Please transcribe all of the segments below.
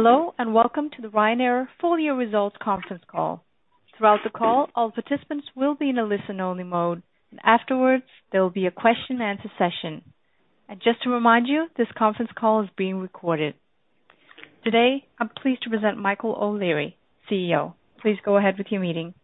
Hello, welcome to the Ryanair full-year results conference call. Throughout the call, all participants will be in a listen-only mode. Afterwards, there will be a question and answer session. Just to remind you, this conference call is being recorded. Today, I'm pleased to present Michael O'Leary, CEO. Please go ahead with your meeting.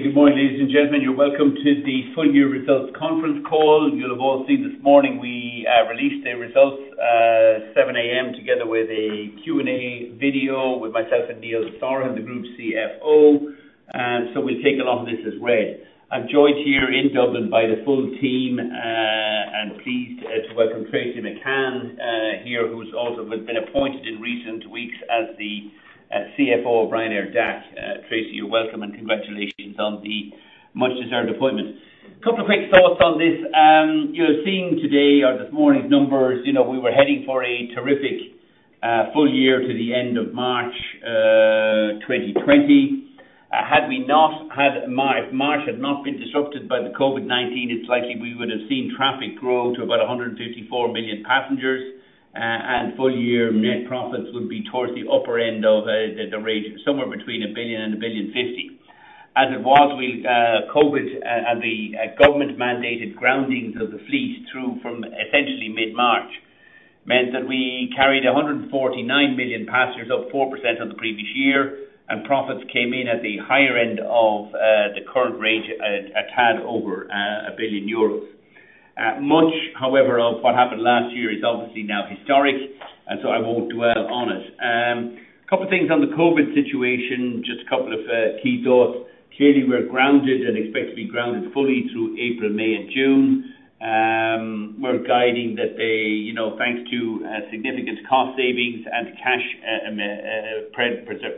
Good morning, ladies and gentlemen. You're welcome to the full-year results conference call. You'll have all seen this morning we released the results at 7:00 A.M. together with a Q&A video with myself and Neil Sorahan, the Group CFO. We'll take a lot of this as read. I'm joined here in Dublin by the full team. I'm pleased to welcome Tracey McCann here, who's also been appointed in recent weeks as the CFO of Ryanair DAC. Tracey, you're welcome, and congratulations on the much-deserved appointment. Couple of quick thoughts on this. You're seeing today or this morning's numbers. We were heading for a terrific full year to the end of March 2020. If March had not been disrupted by the COVID-19, it's likely we would have seen traffic grow to about 154 million passengers, and full-year net profits would be towards the upper end of the range, somewhere between 1 billion and 1,000,000,050. As it was, COVID and the government-mandated groundings of the fleet through from essentially mid-March meant that we carried 149 million passengers, up 4% on the previous year, and profits came in at the higher end of the current range at a tad over 1 billion euros. Much, however, of what happened last year is obviously now historic, and so I won't dwell on it. Couple things on the COVID situation, just a couple of key thoughts. Clearly, we're grounded and expect to be grounded fully through April, May and June. We're guiding that thanks to significant cost savings and cash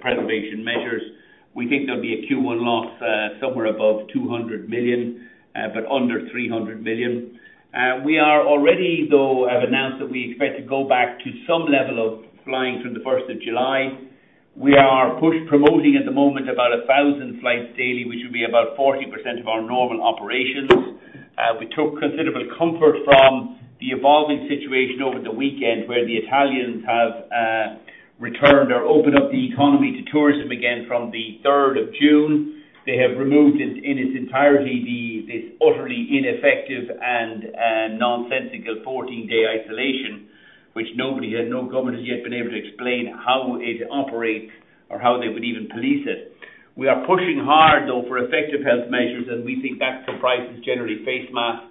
preservation measures, we think there'll be a Q1 loss somewhere above 200 million, but under 300 million. We are already, though, have announced that we expect to go back to some level of flying from the 1st of July. We are promoting at the moment about 1,000 flights daily, which will be about 40% of our normal operations. We took considerable comfort from the evolving situation over the weekend where the Italians have returned or opened up the economy to tourism again from the 3rd of June. They have removed it in its entirety, this utterly ineffective and nonsensical 14-day isolation, which no government has yet been able to explain how it operates or how they would even police it. We are pushing hard, though, for effective health measures. We think that comprises generally face masks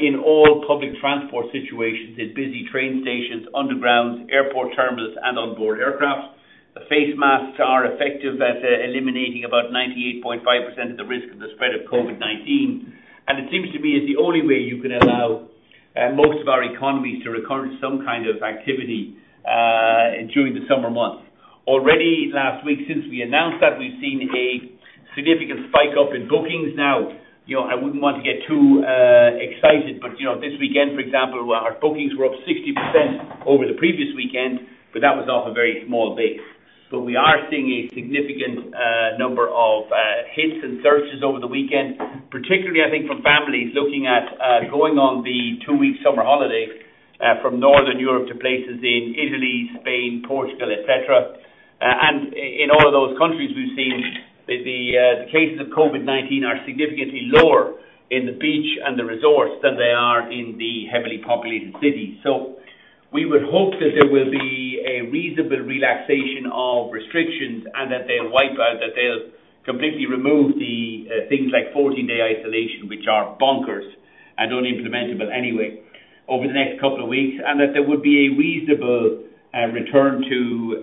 in all public transport situations, in busy train stations, undergrounds, airport terminals, and on board aircraft. The face masks are effective at eliminating about 98.5% of the risk of the spread of COVID-19. It seems to me it's the only way you can allow most of our economies to recur to some kind of activity during the summer months. Already last week since we announced that, we've seen a significant spike up in bookings. I wouldn't want to get too excited. This weekend, for example, our bookings were up 60% over the previous weekend, but that was off a very small base. We are seeing a significant number of hits and searches over the weekend, particularly, I think from families looking at going on the two-week summer holiday from Northern Europe to places in Italy, Spain, Portugal, et cetera. In all of those countries, we've seen the cases of COVID-19 are significantly lower in the beach and the resorts than they are in the heavily populated cities. We would hope that there will be a reasonable relaxation of restrictions and that they'll wipe out, that they'll completely remove the things like 14-day isolation, which are bonkers and unimplementable anyway, over the next couple of weeks, and that there would be a reasonable return to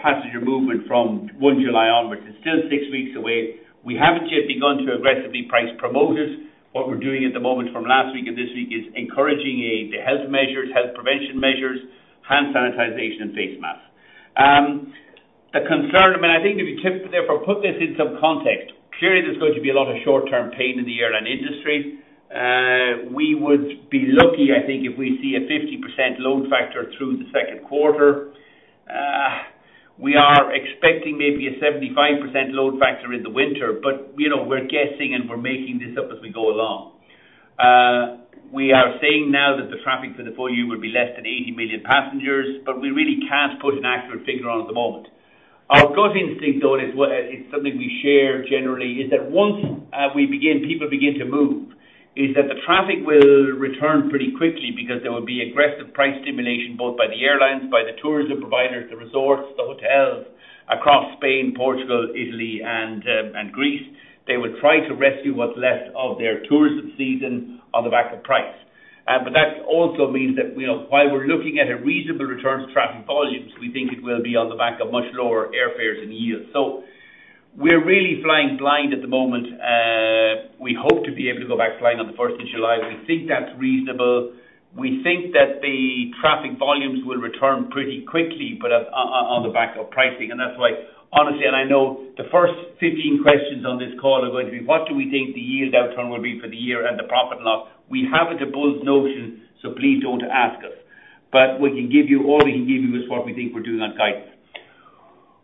passenger movement from 1 July onwards. It's still six weeks away. We haven't yet begun to aggressively price promote it. What we're doing at the moment from last week and this week is encouraging the health measures, health prevention measures, hand sanitization, and face masks. I think if you therefore put this in some context, clearly there's going to be a lot of short-term pain in the airline industry. We would be lucky, I think, if we see a 50% load factor through the second quarter. We are expecting maybe a 75% load factor in the winter, but we're guessing, and we're making this up as we go along. We are saying now that the traffic for the full year will be less than 80 million passengers, but we really can't put an accurate figure on at the moment. Our gut instinct, though, it's something we share generally, is that once people begin to move, is that the traffic will return pretty quickly because there will be aggressive price stimulation both by the airlines, by the tourism providers, the resorts, the hotels across Spain, Portugal, Italy, and Greece. They will try to rescue what's left of their tourism season on the back of price. That also means that while we're looking at a reasonable return to traffic volumes, we think it will be on the back of much lower airfares and yields. We're really flying blind at the moment. We hope to be able to go back flying on the 1st of July. We think that's reasonable. We think that the traffic volumes will return pretty quickly, but on the back of pricing. That's why, honestly, and I know the first 15 questions on this call are going to be what do we think the yield outturn will be for the year and the profit loss. We haven't a bull's notion, so please don't ask us. All we can give you is what we think we're doing on guidance.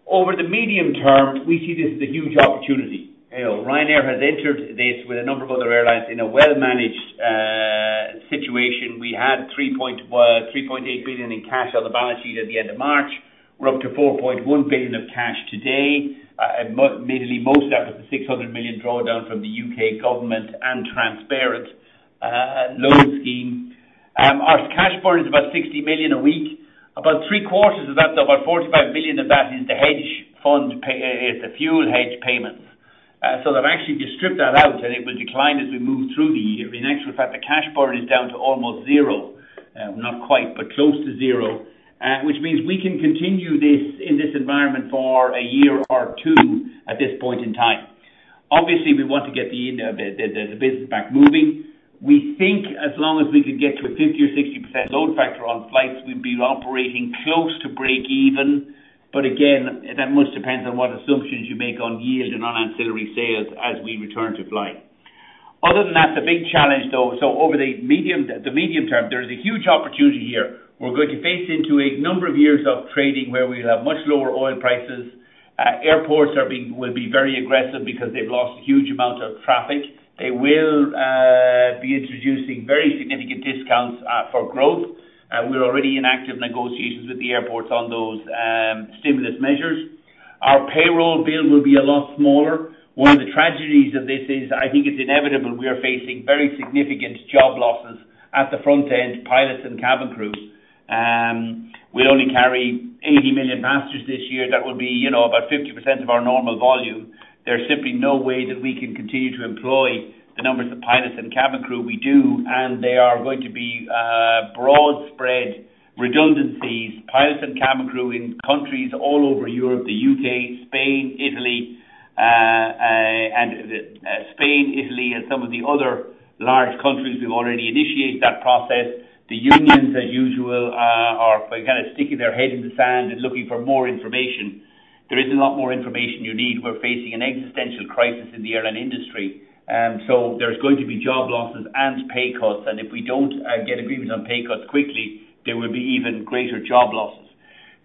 Over the medium term, we see this as a huge opportunity. Ryanair has entered this with a number of other airlines in a well-managed situation. We had 3.8 billion in cash on the balance sheet at the end of March. We're up to 4.1 billion of cash today, mainly most out of the 600 million drawdown from the U.K. government and transparent loan scheme. Our cash burn is about 60 million a week. About three quarters of that, so about 45 million of that is the fuel hedge payments. I've actually just stripped that out, and it will decline as we move through the year. In actual fact, the cash burn is down to almost zero. Not quite, but close to zero. We can continue in this environment for a year or two at this point in time. Obviously, we want to get the business back moving. We think as long as we can get to a 50% or 60% load factor on flights, we'd be operating close to break even. Again, that much depends on what assumptions you make on yield and on ancillary sales as we return to flying. Other than that, the big challenge though, over the medium term, there is a huge opportunity here. We're going to face into a number of years of trading where we'll have much lower oil prices. Airports will be very aggressive because they've lost a huge amount of traffic. They will be introducing very significant discounts for growth. We're already in active negotiations with the airports on those stimulus measures. Our payroll bill will be a lot smaller. One of the tragedies of this is, I think it's inevitable, we are facing very significant job losses at the front end, pilots and cabin crews. We'll only carry 80 million passengers this year. That will be about 50% of our normal volume. There's simply no way that we can continue to employ the numbers of pilots and cabin crew we do, and there are going to be broad spread redundancies. Pilots and cabin crew in countries all over Europe, the U.K., Spain, Italy, and some of the other large countries, we've already initiated that process. The unions as usual are kind of sticking their head in the sand and looking for more information. There isn't a lot more information you need. We're facing an existential crisis in the airline industry. There's going to be job losses and pay cuts. If we don't get agreement on pay cuts quickly, there will be even greater job losses.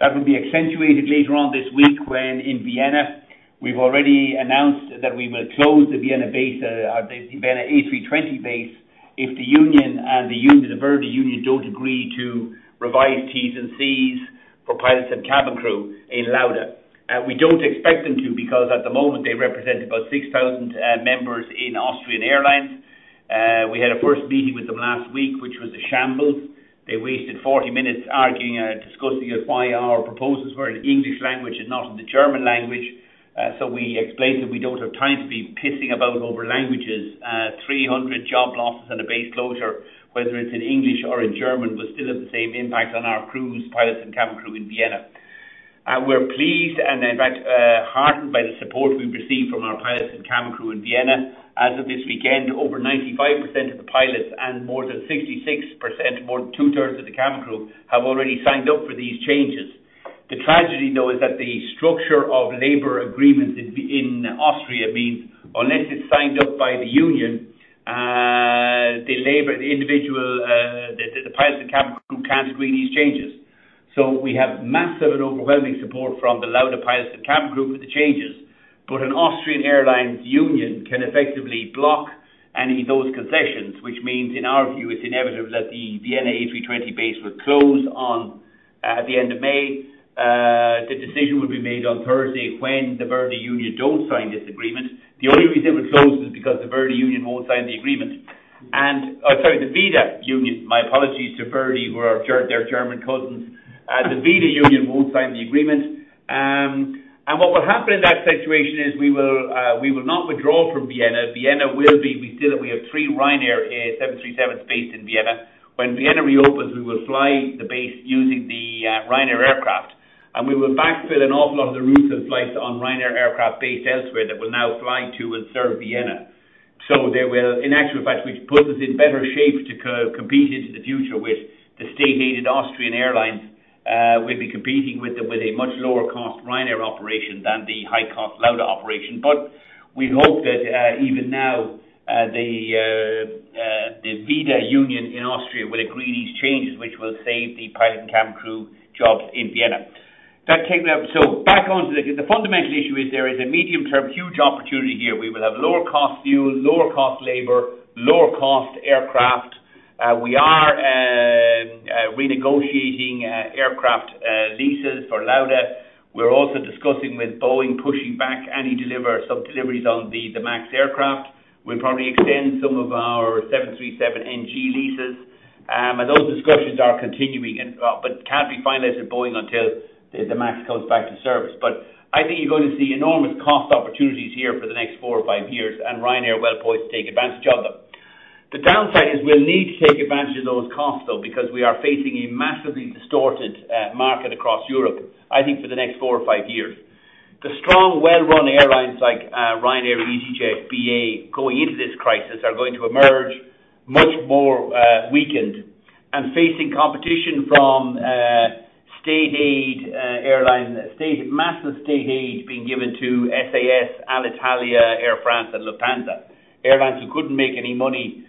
That will be accentuated later on this week when in Vienna, we've already announced that we will close the Vienna A320 base if the union and the ver.di union don't agree to revise Ts and Cs for pilots and cabin crew in Lauda. We don't expect them to, because at the moment, they represent about 6,000 members in Austrian Airlines. We had a first meeting with them last week, which was a shambles. They wasted 40 minutes arguing and discussing why our proposals were in English language and not in the German language. We explained that we don't have time to be pissing about over languages. 300 job losses and a base closure, whether it's in English or in German, will still have the same impact on our crews, pilots and cabin crew in Vienna. We're pleased and in fact heartened by the support we've received from our pilots and cabin crew in Vienna. As of this weekend, over 95% of the pilots and more than 66%, more than two-thirds of the cabin crew have already signed up for these changes. The tragedy, though, is that the structure of labor agreements in Austria means unless it's signed up by the union, the pilots and cabin crew can't agree these changes. We have massive and overwhelming support from the Lauda pilots and cabin crew with the changes, but an Austrian Airlines union can effectively block any of those concessions, which means, in our view, it is inevitable that the Vienna A320 base will close on the end of May. The decision will be made on Thursday when the ver.di union don't sign this agreement. The only reason it will close is because the ver.di union won't sign the agreement. Sorry, the Vida Union. My apologies to ver.di, who are their German cousins. The Vida Union won't sign the agreement. What will happen in that situation is we will not withdraw from Vienna. We have three Ryanair 737s based in Vienna. When Vienna reopens, we will fly the base using the Ryanair aircraft, and we will backfill an awful lot of the routes and flights on Ryanair aircraft based elsewhere that will now fly to and serve Vienna. There will, in actual fact, which puts us in better shape to compete into the future with the state-aided Austrian Airlines. We'll be competing with them with a much lower cost Ryanair operation than the high-cost Lauda operation. We hope that even now the Vida Union in Austria will agree these changes, which will save the pilot and cabin crew jobs in Vienna. Back onto the fundamental issue is there is a medium-term huge opportunity here. We will have lower cost fuel, lower cost labor, lower cost aircraft. We are renegotiating aircraft leases for Lauda. We're also discussing with Boeing pushing back any deliveries on the MAX aircraft. We'll probably extend some of our 737NG leases. Those discussions are continuing, but can't be finalized with Boeing until the MAX comes back to service. I think you're going to see enormous cost opportunities here for the next four or five years, and Ryanair are well poised to take advantage of them. The downside is we'll need to take advantage of those costs, though, because we are facing a massively distorted market across Europe, I think for the next four or five years. The strong well-run airlines like Ryanair and easyJet, BA, going into this crisis are going to emerge much more weakened and facing competition from state aid airlines. Massive state aid is being given to SAS, Alitalia, Air France, and Lufthansa. Airlines who couldn't make any money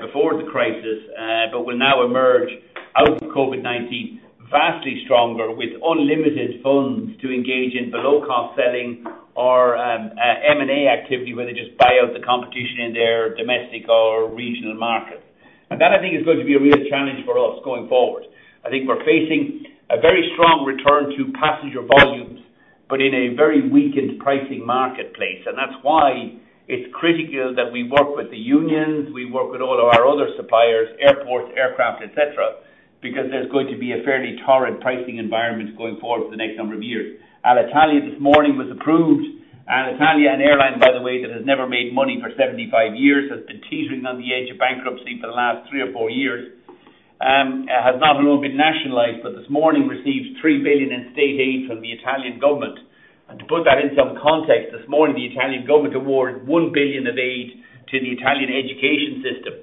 before the crisis, but will now emerge out of COVID-19 vastly stronger with unlimited funds to engage in below-cost selling or M&A activity where they just buy out the competition in their domestic or regional markets. That I think is going to be a real challenge for us going forward. I think we're facing a very strong return to passenger volumes, but in a very weakened pricing marketplace. That's why it's critical that we work with the unions, we work with all of our other suppliers, airports, aircraft, et cetera, because there's going to be a fairly torrid pricing environment going forward for the next number of years. Alitalia this morning was approved. Alitalia, an airline, by the way that has never made money for 75 years, has been teetering on the edge of bankruptcy for the last three or four years. Has not only been nationalized, but this morning received 3 billion in state aid from the Italian government. To put that in some context, this morning the Italian government awarded 1 billion of aid to the Italian education system.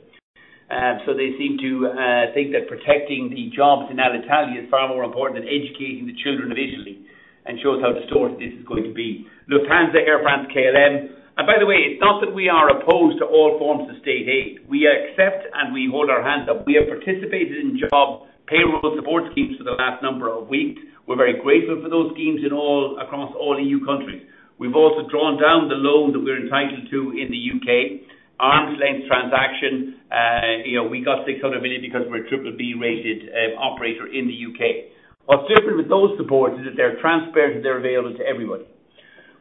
They seem to think that protecting the jobs in Alitalia is far more important than educating the children of Italy and shows how distorted this is going to be. Lufthansa, Air France, KLM. By the way, it's not that we are opposed to all forms of state aid. We accept and we hold our hands up. We have participated in job payroll support schemes for the last number of weeks. We're very grateful for those schemes across all EU countries. We've also drawn down the loan that we're entitled to in the U.K. Arm's length transaction. We got 600 million because we're a triple B-rated operator in the U.K. What's different with those supports is that they're transparent and they're available to everybody.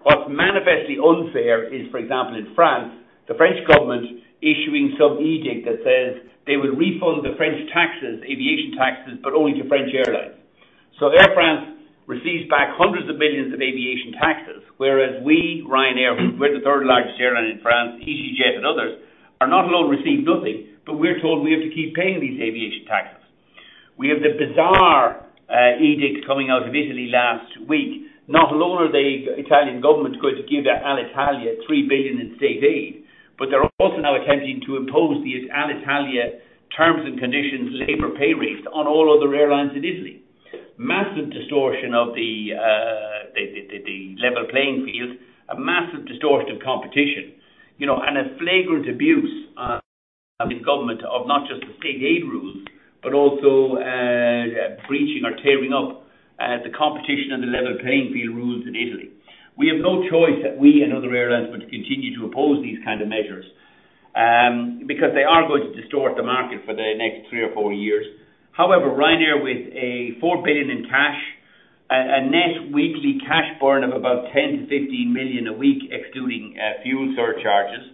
What's manifestly unfair is, for example, in France, the French government issuing some edict that says they will refund the French taxes, aviation taxes, but only to French airlines. Air France receives back hundreds of billions of aviation taxes, whereas we, Ryanair, we're the third largest airline in France, easyJet and others are not only received nothing, but we're told we have to keep paying these aviation taxes. We have the bizarre edict coming out of Italy last week. Not only are the Italian government going to give Alitalia 3 billion in state aid, but they're also now attempting to impose the Alitalia terms and conditions labor pay rates on all other airlines in Italy. Massive distortion of the level playing field, a massive distortion of competition, and a flagrant abuse of this government of not just the state aid rules, but also breaching or tearing up the competition and the level playing field rules in Italy. We have no choice that we and other airlines would continue to oppose these kind of measures because they are going to distort the market for the next three or four years. Ryanair with 4 billion in cash, a net weekly cash burn of about 10 million to 15 million a week excluding fuel surcharges.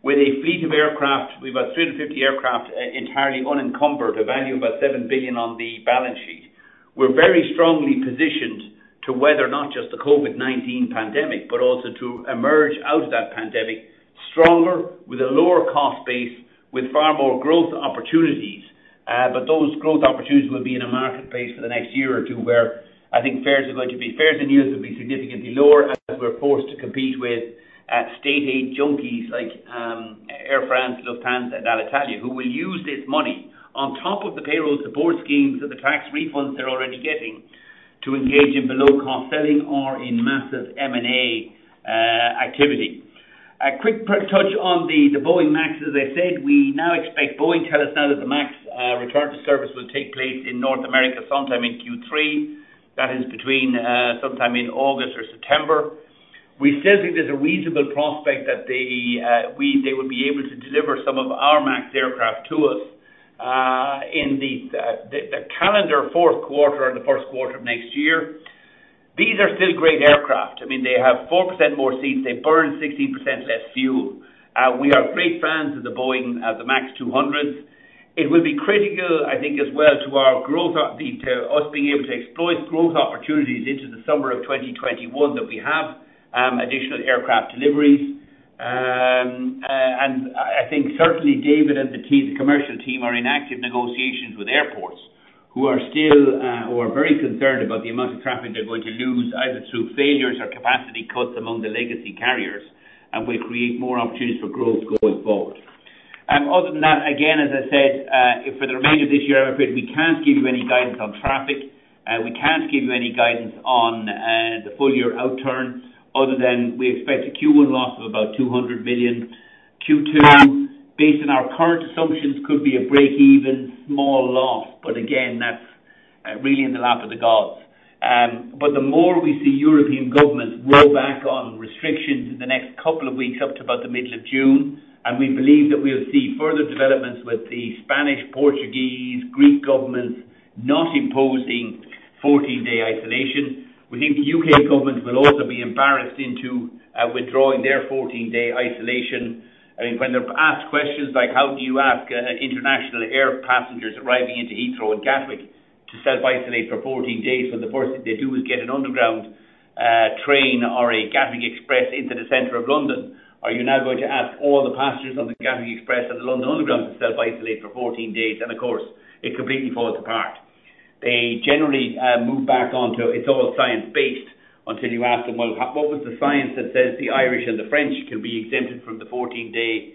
With a fleet of aircraft, we've got 350 aircraft entirely unencumbered, a value of about 7 billion on the balance sheet. We're very strongly positioned to weather not just the COVID-19 pandemic, but also to emerge out of that pandemic stronger with a lower cost base with far more growth opportunities. Those growth opportunities will be in a marketplace for the next year or two, where I think fares and yields will be significantly lower as we're forced to compete with state aid junkies like Air France, Lufthansa, and Alitalia, who will use this money on top of the payroll support schemes and the tax refunds they're already getting to engage in below-cost selling or in massive M&A activity. A quick touch on the Boeing MAX. As I said, we now expect Boeing to tell us now that the MAX return to service will take place in North America sometime in Q3. That is between sometime in August or September. We still think there's a reasonable prospect that they will be able to deliver some of our MAX aircraft to us in the calendar fourth quarter and the first quarter of next year. These are still great aircraft. I mean, they have 4% more seats. They burn 16% less fuel. We are great fans of the Boeing, the MAX 200s. It will be critical, I think, as well to us being able to exploit growth opportunities into the summer of 2021 that we have additional aircraft deliveries. I think certainly David and the commercial team are in active negotiations with airports who are very concerned about the amount of traffic they're going to lose, either through failures or capacity cuts among the legacy carriers, and will create more opportunities for growth going forward. Other than that, again, as I said, for the remainder of this year, I'm afraid we can't give you any guidance on traffic. We can't give you any guidance on the full year outturn other than we expect a Q1 loss of about 200 million. Q2, based on our current assumptions, could be a break-even small loss. Again, that's really in the lap of the gods. The more we see European governments row back on restrictions in the next couple of weeks up to about the middle of June, and we believe that we'll see further developments with the Spanish, Portuguese, Greek governments not imposing 14-day isolation. We think the U.K. government will also be embarrassed into withdrawing their 14-day isolation. I mean, when they're asked questions like how do you ask international air passengers arriving into Heathrow and Gatwick to self-isolate for 14 days when the first thing they do is get an Underground train or a Gatwick Express into the center of London? Are you now going to ask all the passengers on the Gatwick Express and the London Underground to self-isolate for 14 days? Of course, it completely falls apart. They generally move back onto it's all science-based until you ask them, well, what was the science that says the Irish and the French can be exempted from the 14-day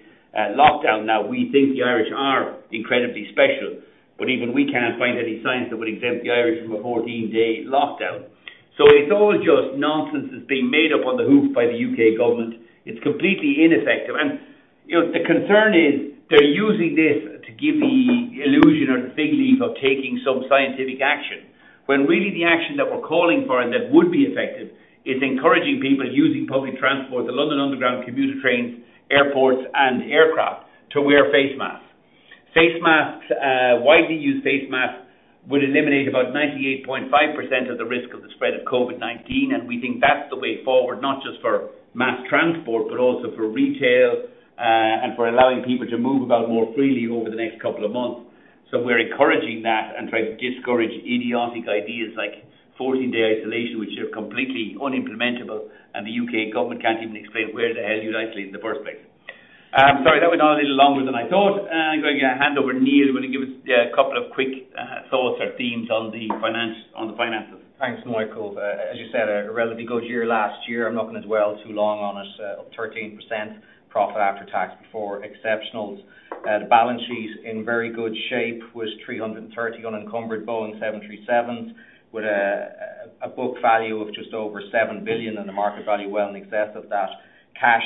lockdown? Now, we think the Irish are incredibly special, but even we can't find any science that would exempt the Irish from a 14-day lockdown. It's all just nonsense that's being made up on the hoof by the U.K. government. It's completely ineffective. The concern is they're using this to give the illusion or the fig leaf of taking some scientific action, when really the action that we're calling for and that would be effective is encouraging people using public transport, the London Underground, commuter trains, airports, and aircraft to wear face masks. Widely used face masks would eliminate about 98.5% of the risk of the spread of COVID-19. We think that's the way forward, not just for mass transport, but also for retail, and for allowing people to move about more freely over the next couple of months. We're encouraging that and trying to discourage idiotic ideas like 14-day isolation, which are completely unimplementable, and the U.K. government can't even explain where the hell you'd isolate in the first place. I'm sorry. That went on a little longer than I thought. I'm going to hand over to Neil, who will give us a couple of quick thoughts or themes on the finances. Thanks, Michael. As you said, a relatively good year last year. I'm not going to dwell too long on it. Up 13% profit after tax before exceptionals. The balance sheet's in very good shape with 330 unencumbered Boeing 737s with a book value of just over 7 billion and a market value well in excess of that. Cash,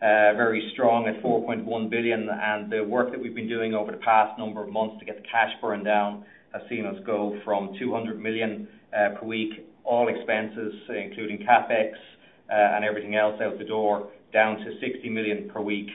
very strong at 4.1 billion. The work that we've been doing over the past number of months to get the cash burn down has seen us go from 200 million per week, all expenses, including CapEx and everything else out the door, down to 60 million per week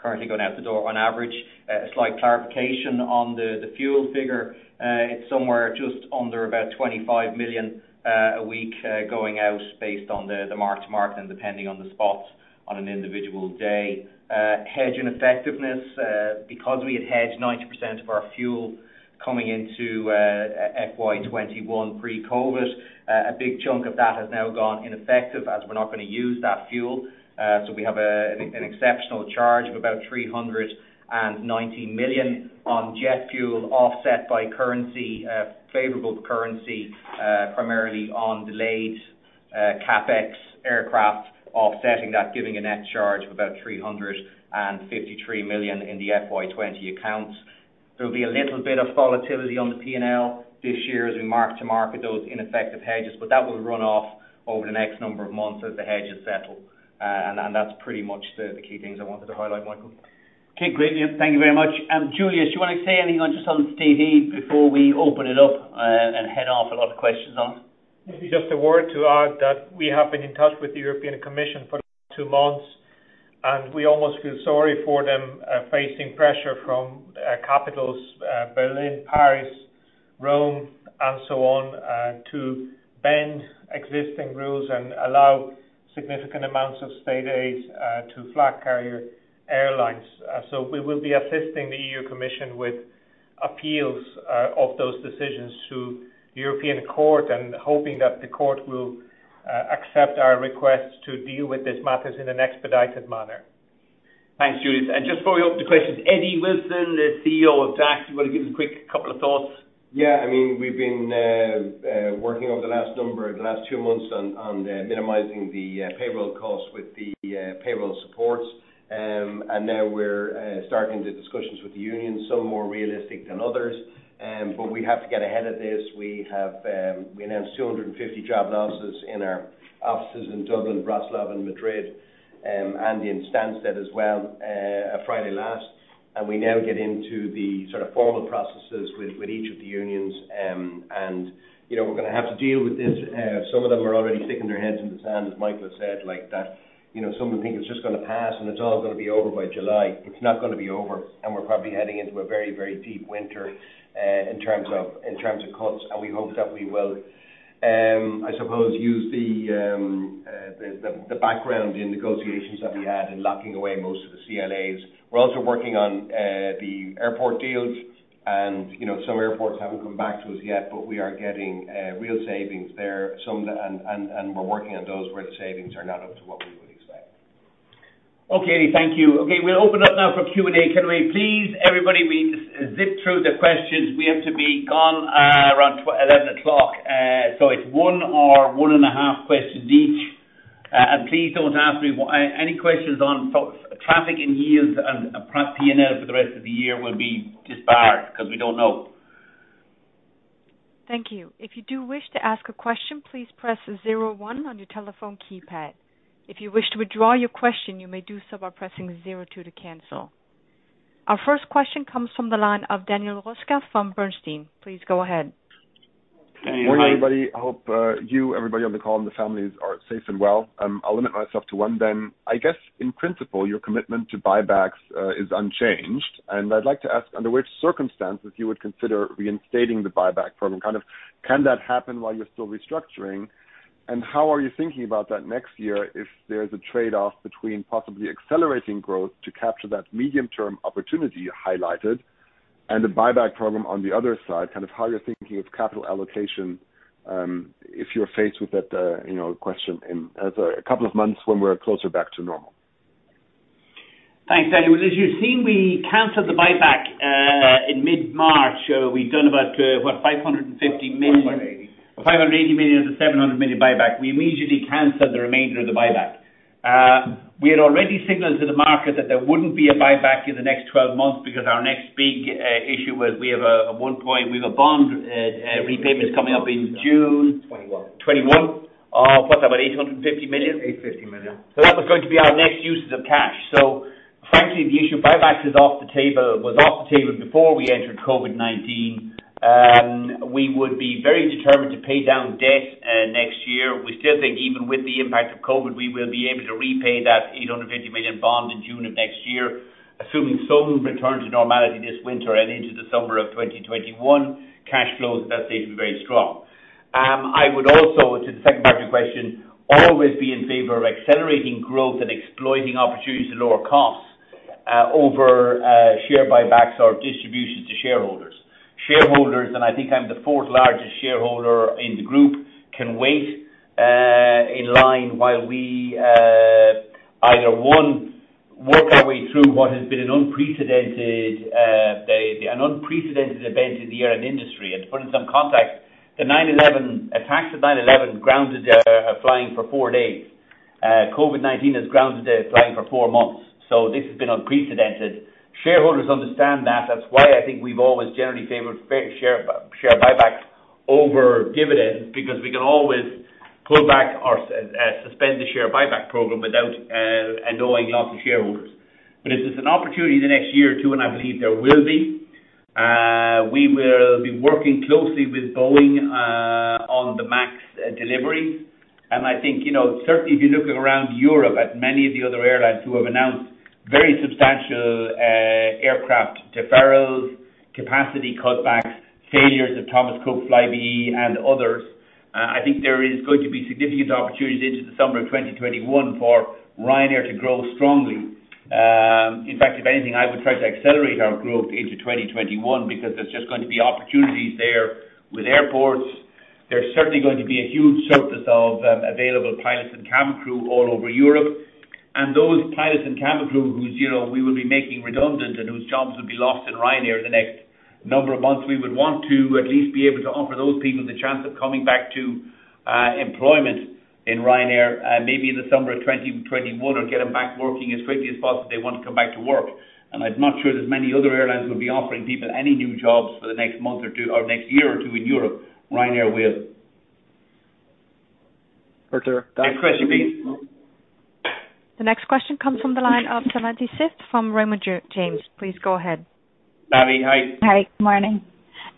currently going out the door on average. A slight clarification on the fuel figure. It's somewhere just under about 25 million a week going out based on the mark to market and depending on the spot on an individual day. Hedge ineffectiveness. We had hedged 90% of our fuel coming into FY 2021 pre-COVID-19, a big chunk of that has now gone ineffective as we're not going to use that fuel. We have an exceptional charge of about 390 million on jet fuel offset by favorable currency primarily on delayed CapEx aircraft offsetting that, giving a net charge of about 353 million in the FY 2020 accounts. There'll be a little bit of volatility on the P&L this year as we mark to market those ineffective hedges, but that will run off over the next number of months as the hedges settle. That's pretty much the key things I wanted to highlight, Michael. Okay, great, Neil. Thank you very much. Julius, you want to say anything just on the Q&A before we open it up and head off a lot of questions on it? Maybe just a word to add that we have been in touch with the European Commission for the last two months. We almost feel sorry for them facing pressure from capitals, Berlin, Paris, Rome, and so on, to bend existing rules and allow significant amounts of state aid to flag carrier airlines. We will be assisting the EU Commission with appeals of those decisions to the European Court and hoping that the Court will accept our requests to deal with these matters in an expedited manner. Thanks, Juliusz. Just before we open up to questions, Eddie Wilson, the CEO of DAC, you want to give us a quick couple of thoughts? Yeah, we've been working over the last two months on minimizing the payroll costs with the payroll supports. Now we're starting the discussions with the union, some more realistic than others. We have to get ahead of this. We announced 250 job losses in our offices in Dublin, Bratislava, and Madrid, and in Stansted as well, Friday last. We now get into the formal processes with each of the unions. We're going to have to deal with this. Some of them are already sticking their heads in the sand, as Michael has said. Some of them think it's just going to pass and it's all going to be over by July. It's not going to be over, and we're probably heading into a very, very deep winter in terms of cuts. We hope that we will, I suppose, use the background in negotiations that we had in locking away most of the CLAs. We're also working on the airport deals, and some airports haven't come back to us yet, but we are getting real savings there. We're working on those where the savings are not up to what we would expect. Okay, Eddie. Thank you. Okay, we'll open up now for Q&A. Can we please, everybody, we zip through the questions. We have to be gone around 11 o'clock. It's one or one and a half questions each. Please don't ask me any questions on traffic and yields and P&L for the rest of the year will be disbarred because we don't know. Thank you. If you do wish to ask a question, please press zero one on your telephone keypad. If you wish to withdraw your question, you may do so by pressing zero two to cancel. Our first question comes from the line of Daniel Roeska from Bernstein. Please go ahead. Hey, Daniel. Hey, everybody. I hope you, everybody on the call, and the families are safe and well. I'll limit myself to one. I guess in principle, your commitment to buybacks is unchanged. I'd like to ask under which circumstances you would consider reinstating the buyback program. Can that happen while you're still restructuring? How are you thinking about that next year if there's a trade-off between possibly accelerating growth to capture that medium-term opportunity you highlighted and the buyback program on the other side, how you're thinking of capital allocation if you're faced with that question in a couple of months when we're closer back to normal? Thanks, Daniel. As you've seen, we canceled the buyback in mid-March. We'd done about, what, 550 million? 580 million. 580 million of the 700 million buyback. We immediately canceled the remainder of the buyback. We had already signaled to the market that there wouldn't be a buyback in the next 12 months because our next big issue was we have a bond repayment coming up in June. '21. 2021. What's that, about 850 million? 850 million. That was going to be our next usage of cash. Frankly, the issue of buybacks was off the table before we entered COVID-19. We would be very determined to pay down debt next year. We still think even with the impact of COVID, we will be able to repay that 850 million bond in June of next year. Assuming some return to normality this winter and into the summer of 2021, cash flows are expected to be very strong. I would also, to the second part of your question, always be in favor of accelerating growth and exploiting opportunities to lower costs over share buybacks or distribution to shareholders. Shareholders, and I think I'm the fourth largest shareholder in the group, can wait in line while we either, one, work our way through what has been an unprecedented event in the airline industry. To put it in some context, the attacks of 9/11 grounded flying for four days. COVID-19 has grounded flying for four months. This has been unprecedented. Shareholders understand that. That's why I think we've always generally favored share buybacks over dividends, because we can always pull back or suspend the share buyback program without annoying lots of shareholders. If there's an opportunity in the next year or two, and I believe there will be, we will be working closely with Boeing on the MAX delivery. I think certainly if you're looking around Europe at many of the other airlines who have announced very substantial aircraft deferrals, capacity cutbacks, failures of Thomas Cook, Flybe, and others, I think there is going to be significant opportunities into the summer of 2021 for Ryanair to grow strongly. In fact, if anything, I would try to accelerate our growth into 2021 because there's just going to be opportunities there with airports. There's certainly going to be a huge surplus of available pilots and cabin crew all over Europe. Those pilots and cabin crew who we will be making redundant and whose jobs will be lost in Ryanair the next number of months, we would want to at least be able to offer those people the chance of coming back to employment in Ryanair maybe in the summer of 2021 or get them back working as quickly as possible if they want to come back to work. I'm not sure there's many other airlines will be offering people any new jobs for the next month or two or next year or two in Europe. Ryanair will. For clear. Next question, please. The next question comes from the line of Savanthi Syth from Raymond James. Please go ahead. Savanthi, hi. Hi, good morning.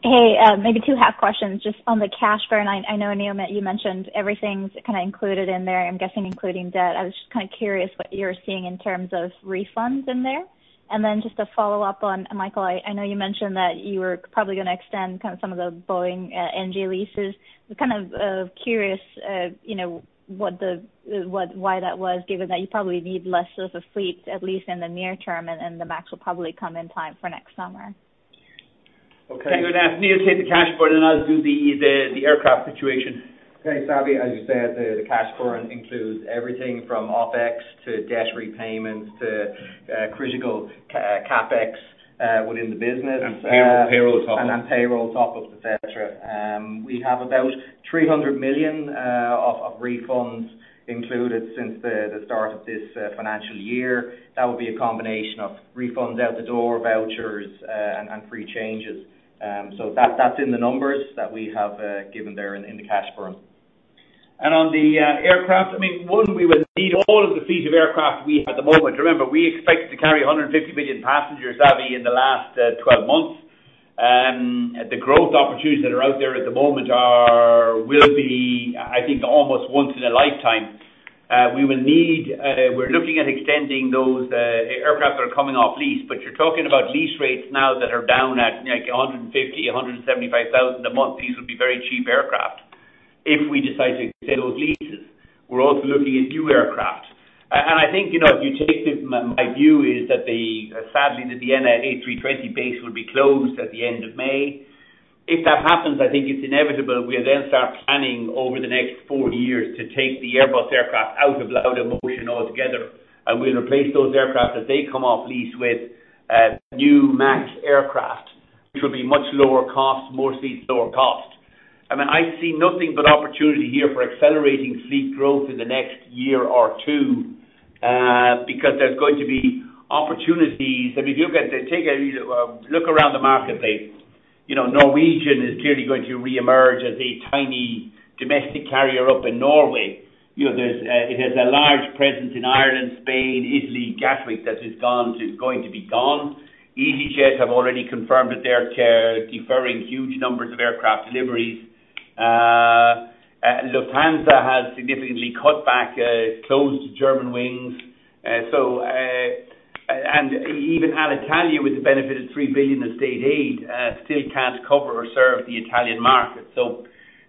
Hey, maybe two half questions just on the cash burn. I know, Neil, that you mentioned everything's kind of included in there, I'm guessing including debt. I was just kind of curious what you're seeing in terms of refunds in there. Then just a follow-up on Michael, I know you mentioned that you were probably going to extend some of the Boeing NG leases. I'm kind of curious why that was given that you probably need less of a fleet, at least in the near term, and the MAX will probably come in time for next summer. Okay. I'm going to ask Neil to take the cash burn, and I'll do the aircraft situation. Okay. Savanthi, as you said, the cash burn includes everything from OpEx to debt repayments to critical CapEx within the business. Payroll top up. Payroll top ups, et cetera. We have about 300 million of refunds included since the start of this financial year. That would be a combination of refunds out the door, vouchers, and free changes. That's in the numbers that we have given there in the cash burn. On the aircraft, one, we will need all of the fleet of aircraft we have at the moment. Remember, we expected to carry 150 million passengers, Savvy, in the last 12 months. The growth opportunities that are out there at the moment will be, I think, almost once in a lifetime. We're looking at extending those aircraft that are coming off lease. You're talking about lease rates now that are down at 150,000, 175,000 a month. These will be very cheap aircraft if we decide to extend those leases. We're also looking at new aircraft. I think if you take my view is that sadly the Vienna A320 base will be closed at the end of May. If that happens, I think it's inevitable we'll then start planning over the next four years to take the Airbus aircraft out of Laudamotion altogether, and we'll replace those aircraft as they come off lease with new MAX aircraft, which will be much lower cost, more seats, lower cost. I see nothing but opportunity here for accelerating fleet growth in the next year or two because there's going to be opportunities. If you take a look around the marketplace, Norwegian is clearly going to reemerge as a tiny domestic carrier up in Norway. It has a large presence in Ireland, Spain, Italy, Gatwick that is going to be gone. easyJet have already confirmed that they are deferring huge numbers of aircraft deliveries. Lufthansa has significantly cut back, closed Germanwings. Even Alitalia with the benefit of 3 billion of state aid still can't cover or serve the Italian market.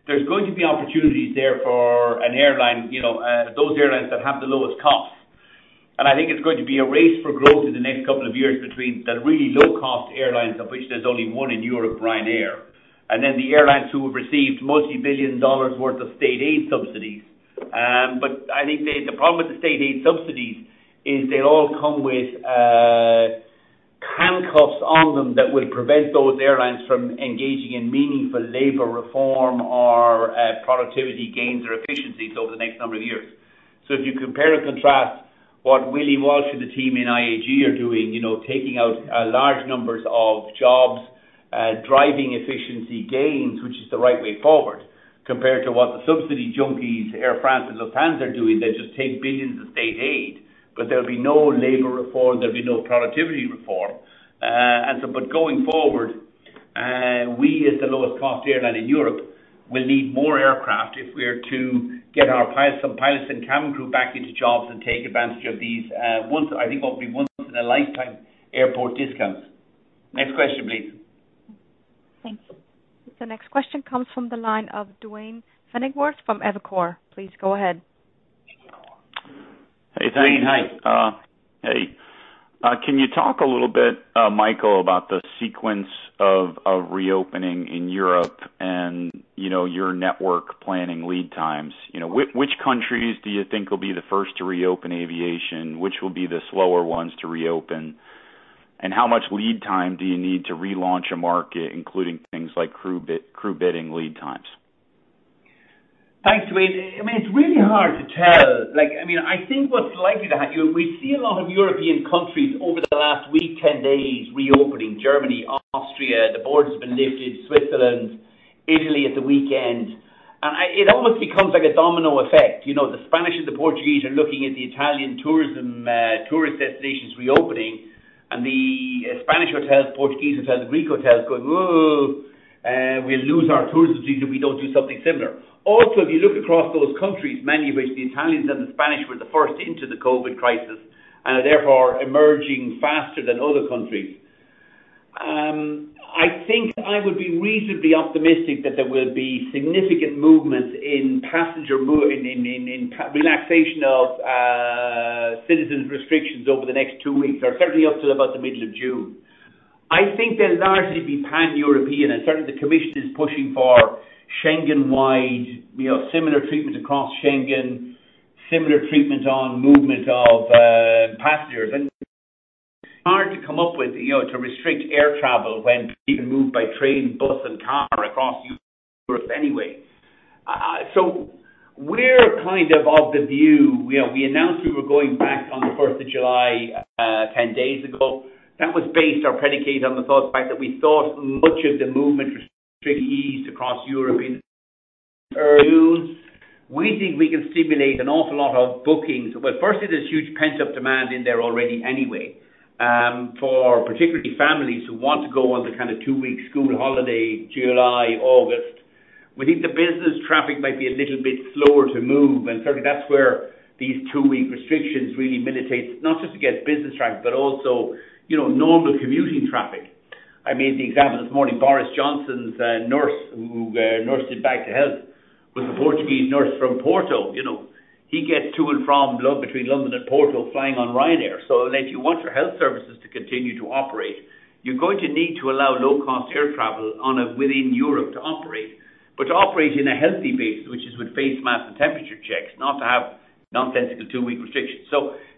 There's going to be opportunities there for those airlines that have the lowest costs. I think it's going to be a race for growth in the next couple of years between the really low-cost airlines, of which there's only one in Europe, Ryanair. The airlines who have received $multi-billion worth of state aid subsidies. I think the problem with the state aid subsidies is they all come with- that will prevent those airlines from engaging in meaningful labor reform or productivity gains or efficiencies over the next number of years. If you compare and contrast what Willie Walsh and the team in IAG are doing, taking out large numbers of jobs, driving efficiency gains, which is the right way forward, compared to what the subsidy junkies, Air France and Lufthansa are doing. They just take billions of state aid, there'll be no labor reform, there'll be no productivity reform. Going forward, we as the lowest cost airline in Europe will need more aircraft if we're to get our pilots and cabin crew back into jobs and take advantage of these, I think what will be once in a lifetime airport discounts. Next question, please. Thank you. The next question comes from the line of Duane Pfennigwerth from Evercore. Please go ahead. Hey, thank you. Duane, hi. Hey. Can you talk a little bit, Michael, about the sequence of reopening in Europe and your network planning lead times? Which countries do you think will be the first to reopen aviation? Which will be the slower ones to reopen? How much lead time do you need to relaunch a market, including things like crew bidding lead times? Thanks, Duane. It's really hard to tell. I think what's likely to happen, we see a lot of European countries over the last week, 10 days, reopening. Germany, Austria, the border has been lifted. Switzerland, Italy at the weekend. It almost becomes like a domino effect. The Spanish and the Portuguese are looking at the Italian tourism tourist destinations reopening. The Spanish hotels, Portuguese hotels, Greek hotels going, "Ooh, we'll lose our tourism if we don't do something similar." If you look across those countries, many of which the Italians and the Spanish were the first into the COVID crisis, and therefore emerging faster than other countries. I think I would be reasonably optimistic that there will be significant movements in relaxation of citizens' restrictions over the next two weeks, or certainly up to about the middle of June. I think they'll largely be pan-European. Certainly the Commission is pushing for Schengen-wide, similar treatment across Schengen, similar treatments on movement of passengers. It's hard to come up with to restrict air travel when people can move by train, bus, and car across Europe anyway. We're kind of the view. We announced we were going back on the 1st of July, 10 days ago. That was based or predicated on the thought fact that we thought much of the movement restrictions eased across Europe in early June. We think we can stimulate an awful lot of bookings. Well, firstly, there's huge pent-up demand in there already anyway, for particularly families who want to go on the kind of two-week school holiday, July, August. We think the business traffic might be a little bit slower to move, and certainly that's where these two-week restrictions really militate, not just against business traffic, but also normal commuting traffic. I made the example this morning, Boris Johnson's nurse who nursed him back to health was a Portuguese nurse from Porto. He gets to and from between London and Porto flying on Ryanair. If you want your health services to continue to operate, you're going to need to allow low-cost air travel within Europe to operate. To operate in a healthy basis, which is with face masks and temperature checks, not to have nonsensical two-week restrictions.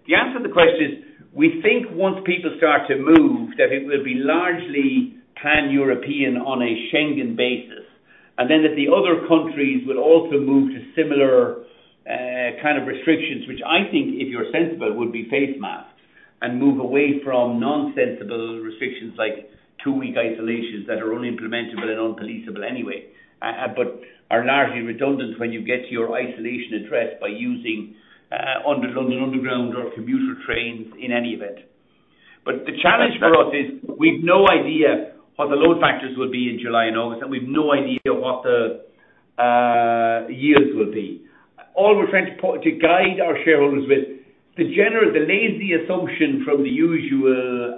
The answer to the question is, we think once people start to move, that it will be largely pan-European on a Schengen basis. The other countries will also move to similar kind of restrictions, which I think, if you're sensible, would be face masks, and move away from nonsensical restrictions like two-week isolations that are unimplementable and unpoliceable anyway. Are largely redundant when you get your isolation addressed by using London Underground or commuter trains in any event. The challenge for us is we've no idea what the load factors will be in July and August, and we've no idea what the yields will be. All we're trying to guide our shareholders with the lazy assumption from the usual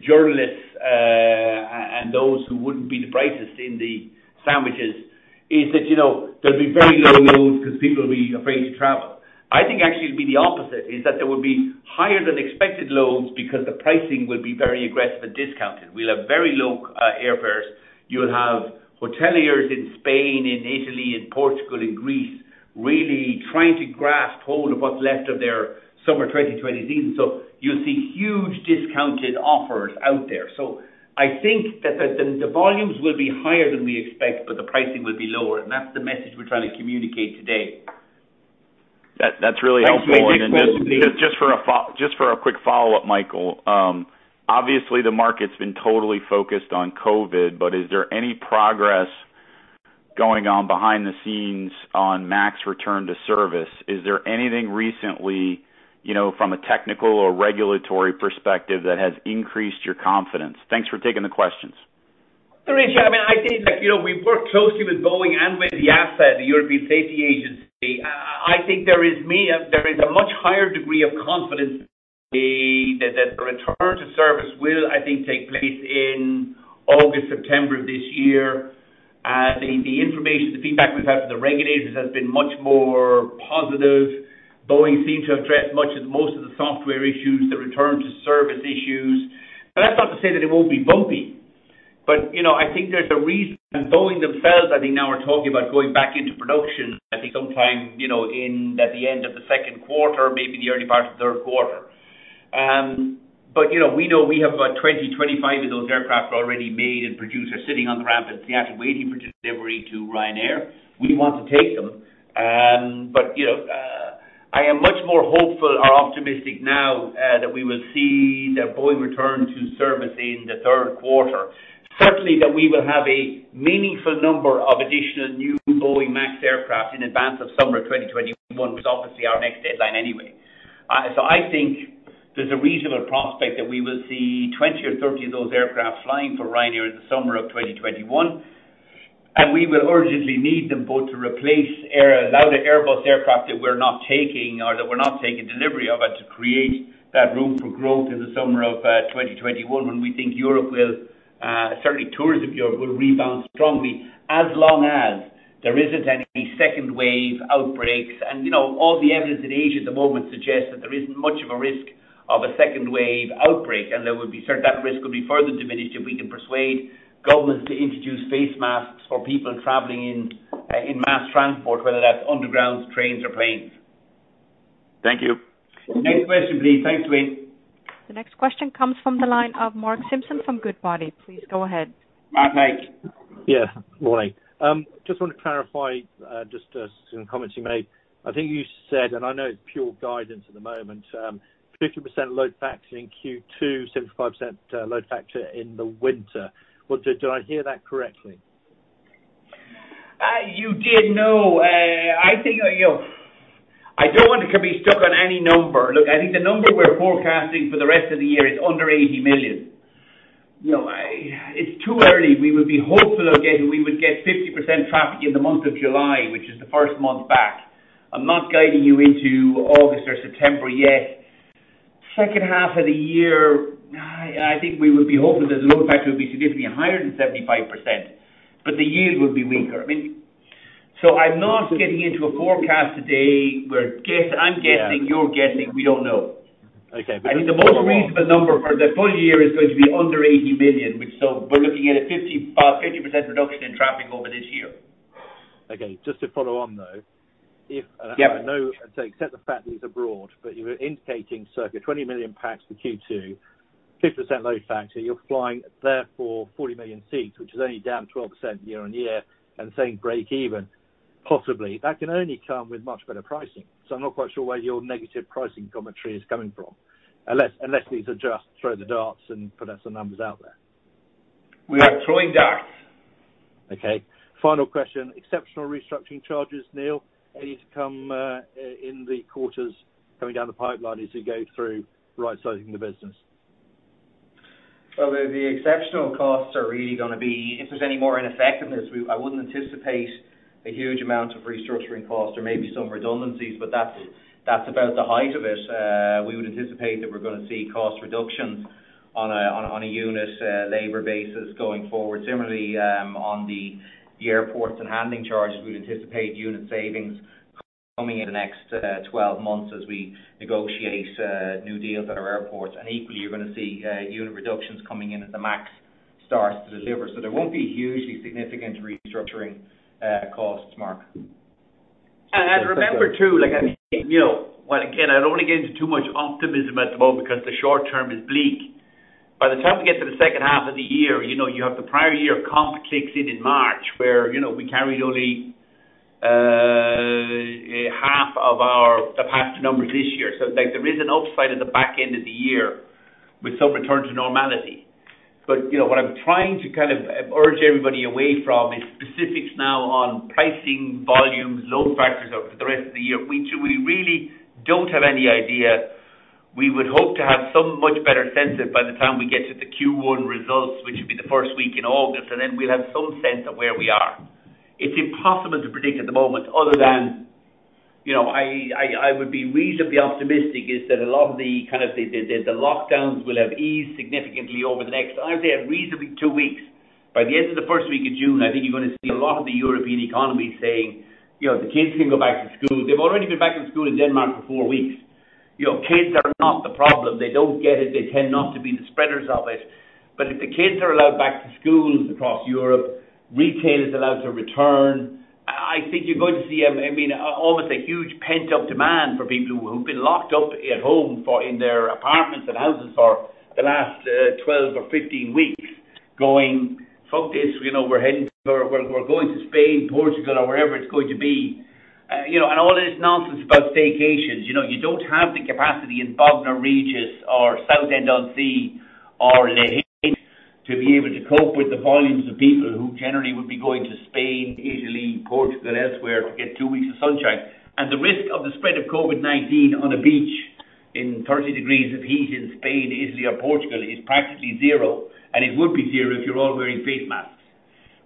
journalists and those who wouldn't be the brightest in the sandwiches is that there'll be very low loads because people will be afraid to travel. I think actually it'll be the opposite, is that there will be higher than expected loads because the pricing will be very aggressive and discounted. We'll have very low airfares. You'll have hoteliers in Spain, in Italy, in Portugal, in Greece, really trying to grasp hold of what's left of their summer 2020 season. You'll see huge discounted offers out there. I think that the volumes will be higher than we expect, but the pricing will be lower, and that's the message we're trying to communicate today. That's really helpful. Thanks, Duane. Just for a quick follow-up, Michael. Obviously, the market's been totally focused on COVID, is there any progress going on behind the scenes on MAX return to service? Is there anything recently, from a technical or regulatory perspective that has increased your confidence? Thanks for taking the questions. There is. I think we've worked closely with Boeing and with the EASA, the European Safety Agency. I think there is a much higher degree of confidence that the return to service will, I think, take place in August, September of this year. The information, the feedback we've had from the regulators has been much of most of the software issues, the return to service issues. That's not to say that it won't be bumpy. I think there's a reason. Boeing themselves, I think now are talking about going back into production, I think sometime at the end of the second quarter, maybe the early part of the third quarter. We know we have about 20, 25 of those aircraft already made and produced that are sitting on the ramp in Seattle waiting for delivery to Ryanair. We want to take them. I am much more hopeful or optimistic now that we will see the Boeing return to service in the third quarter. Certainly that we will have a meaningful number of additional new Boeing MAX aircraft in advance of summer 2021, which is obviously our next deadline anyway. I think there's a reasonable prospect that we will see 20 or 30 of those aircraft flying for Ryanair in the summer of 2021. We will urgently need them both to replace a lot of the Airbus aircraft that we're not taking or that we're not taking delivery of, and to create that room for growth in the summer of 2021 when we think Europe will, certainly tourism Europe, will rebound strongly as long as there isn't any second wave outbreaks. All the evidence in Asia at the moment suggests that there isn't much of a risk of a second wave outbreak, and that risk will be further diminished if we can persuade governments to introduce face masks for people traveling in mass transport, whether that's undergrounds, trains, or planes. Thank you. Next question, please. Thanks, Duane. The next question comes from the line of Mark Simpson from Goodbody. Please go ahead. Mark, hi. Yeah. Morning. Just want to clarify just some comments you made. I think you said, and I know it's pure guidance at the moment, 50% load factor in Q2, 75% load factor in the winter. Did I hear that correctly? You did. No. I don't want to be stuck on any number. Look, I think the number we're forecasting for the rest of the year is under 80 million. It's too early. We would be hopeful again we would get 50% traffic in the month of July, which is the first month back. I'm not guiding you into August or September yet. Second half of the year, I think we would be hopeful that the load factor would be significantly higher than 75%, but the yield would be weaker. I'm not getting into a forecast today where I'm guessing, you're guessing, we don't know. Okay. Just to follow on. I think the most reasonable number for the full year is going to be under 80 million. We're looking at a 50% reduction in traffic over this year. Okay. Just to follow on, though. Yeah. I know, I say accept the fact that it's broad, you were indicating circa 20 million pax for Q2, 50% load factor. You're flying therefore 40 million seats, which is only down 12% year-over-year and saying break even possibly. That can only come with much better pricing. I'm not quite sure where your negative pricing commentary is coming from. Unless these are just throw the darts and put out some numbers out there. We are throwing darts. Okay. Final question. Exceptional restructuring charges, Neil, are these come in the quarters coming down the pipeline as you go through right-sizing the business? Well, the exceptional costs are really going to be if there's any more ineffectiveness. I wouldn't anticipate a huge amount of restructuring costs. There may be some redundancies, but that's about the height of it. We would anticipate that we're going to see cost reductions on a unit labor basis going forward. Similarly, on the airports and handling charges, we'd anticipate unit savings coming in the next 12 months as we negotiate new deals at our airports. Equally, you're going to see unit reductions coming in as the MAX starts to deliver. There won't be hugely significant restructuring costs, Mark. Remember, too, while again, I'd only get into too much optimism at the moment because the short term is bleak. By the time we get to the second half of the year, you have the prior year comp kicks in in March where we carried only half of our the passenger numbers this year. Like there is an upside at the back end of the year with some return to normality. What I'm trying to kind of urge everybody away from is specifics now on pricing, volumes, load factors over for the rest of the year. We really don't have any idea. We would hope to have some much better sense of it by the time we get to the Q1 results, which would be the first week in August. Then we'll have some sense of where we are. It's impossible to predict at the moment other than I would be reasonably optimistic is that a lot of the lockdowns will have eased significantly over the next, I would say, reasonably two weeks. By the end of the first week of June, I think you're going to see a lot of the European economies saying the kids can go back to school. They've already been back to school in Denmark for four weeks. Kids are not the problem. They don't get it. They tend not to be the spreaders of it. If the kids are allowed back to schools across Europe, retail is allowed to return, I think you're going to see almost a huge pent-up demand for people who have been locked up at home in their apartments and houses for the last 12 or 15 weeks going, "Fuck this, we're going to Spain, Portugal," or wherever it's going to be. All this nonsense about staycations. You don't have the capacity in Bognor Regis or Southend-on-Sea or Lahinch to be able to cope with the volumes of people who generally would be going to Spain, Italy, Portugal, elsewhere to get two weeks of sunshine. The risk of the spread of COVID-19 on a beach in 30 degrees of heat in Spain, Italy, or Portugal is practically zero, and it would be zero if you're all wearing face masks.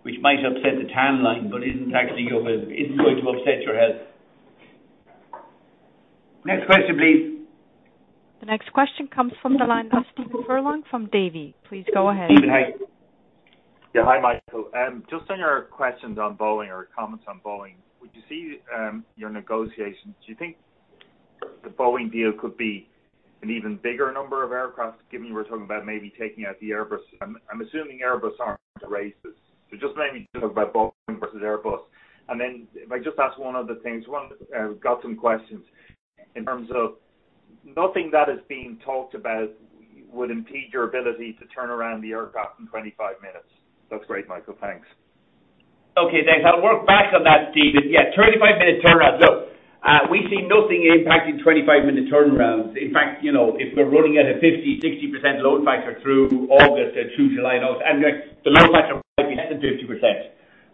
Which? might upset the tan line, but isn't going to upset your health. Next question, please. The next question comes from the line of Stephen Furlong from Davy. Please go ahead. Stephen, hey. Yeah. Hi, Michael. Just on your questions on Boeing or comments on Boeing, would you see your negotiations, do you think the Boeing deal could be an even bigger number of aircraft, given you were talking about maybe taking out the Airbus. I'm assuming Airbus aren't in the race. Just maybe talk about Boeing versus Airbus. If I just ask one other thing, got some questions in terms of nothing that is being talked about would impede your ability to turn around the aircraft in 25 minutes? That's great, Michael. Thanks. Okay, thanks. I'll work back on that, Steve. Yeah, 25-minute turnaround. Look, we see nothing impacting 25-minute turnarounds. In fact, if we're running at a 50%, 60% load factor through August and through July, and the load factor might be less than 50%.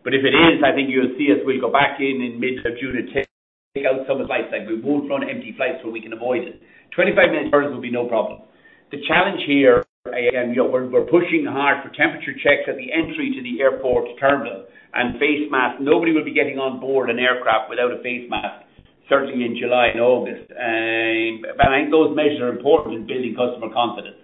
If it is, I think you'll see us, we'll go back in mid-June and take out some of the flights. We won't run empty flights where we can avoid it. 25-minute turnarounds will be no problem. The challenge here, again, we're pushing hard for temperature checks at the entry to the airport terminal and face masks. Nobody will be getting on board an aircraft without a face mask, certainly in July and August. I think those measures are important in building customer confidence.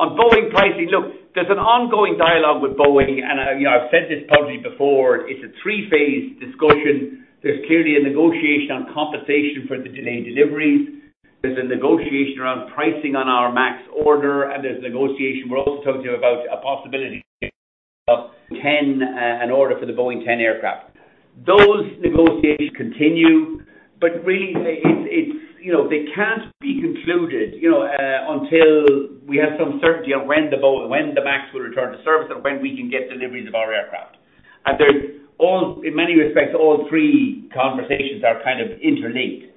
On Boeing pricing, look, there's an ongoing dialogue with Boeing, and I've said this publicly before, it's a three-phase discussion. There's clearly a negotiation on compensation for the delayed deliveries. There's a negotiation around pricing on our MAX order, and there's a negotiation we're also talking to about a possibility of an order for the Boeing 10 aircraft. Those negotiations continue, but really they can't be concluded until we have some certainty on when the MAX will return to service and when we can get deliveries of our aircraft. In many respects, all three conversations are kind of interlinked.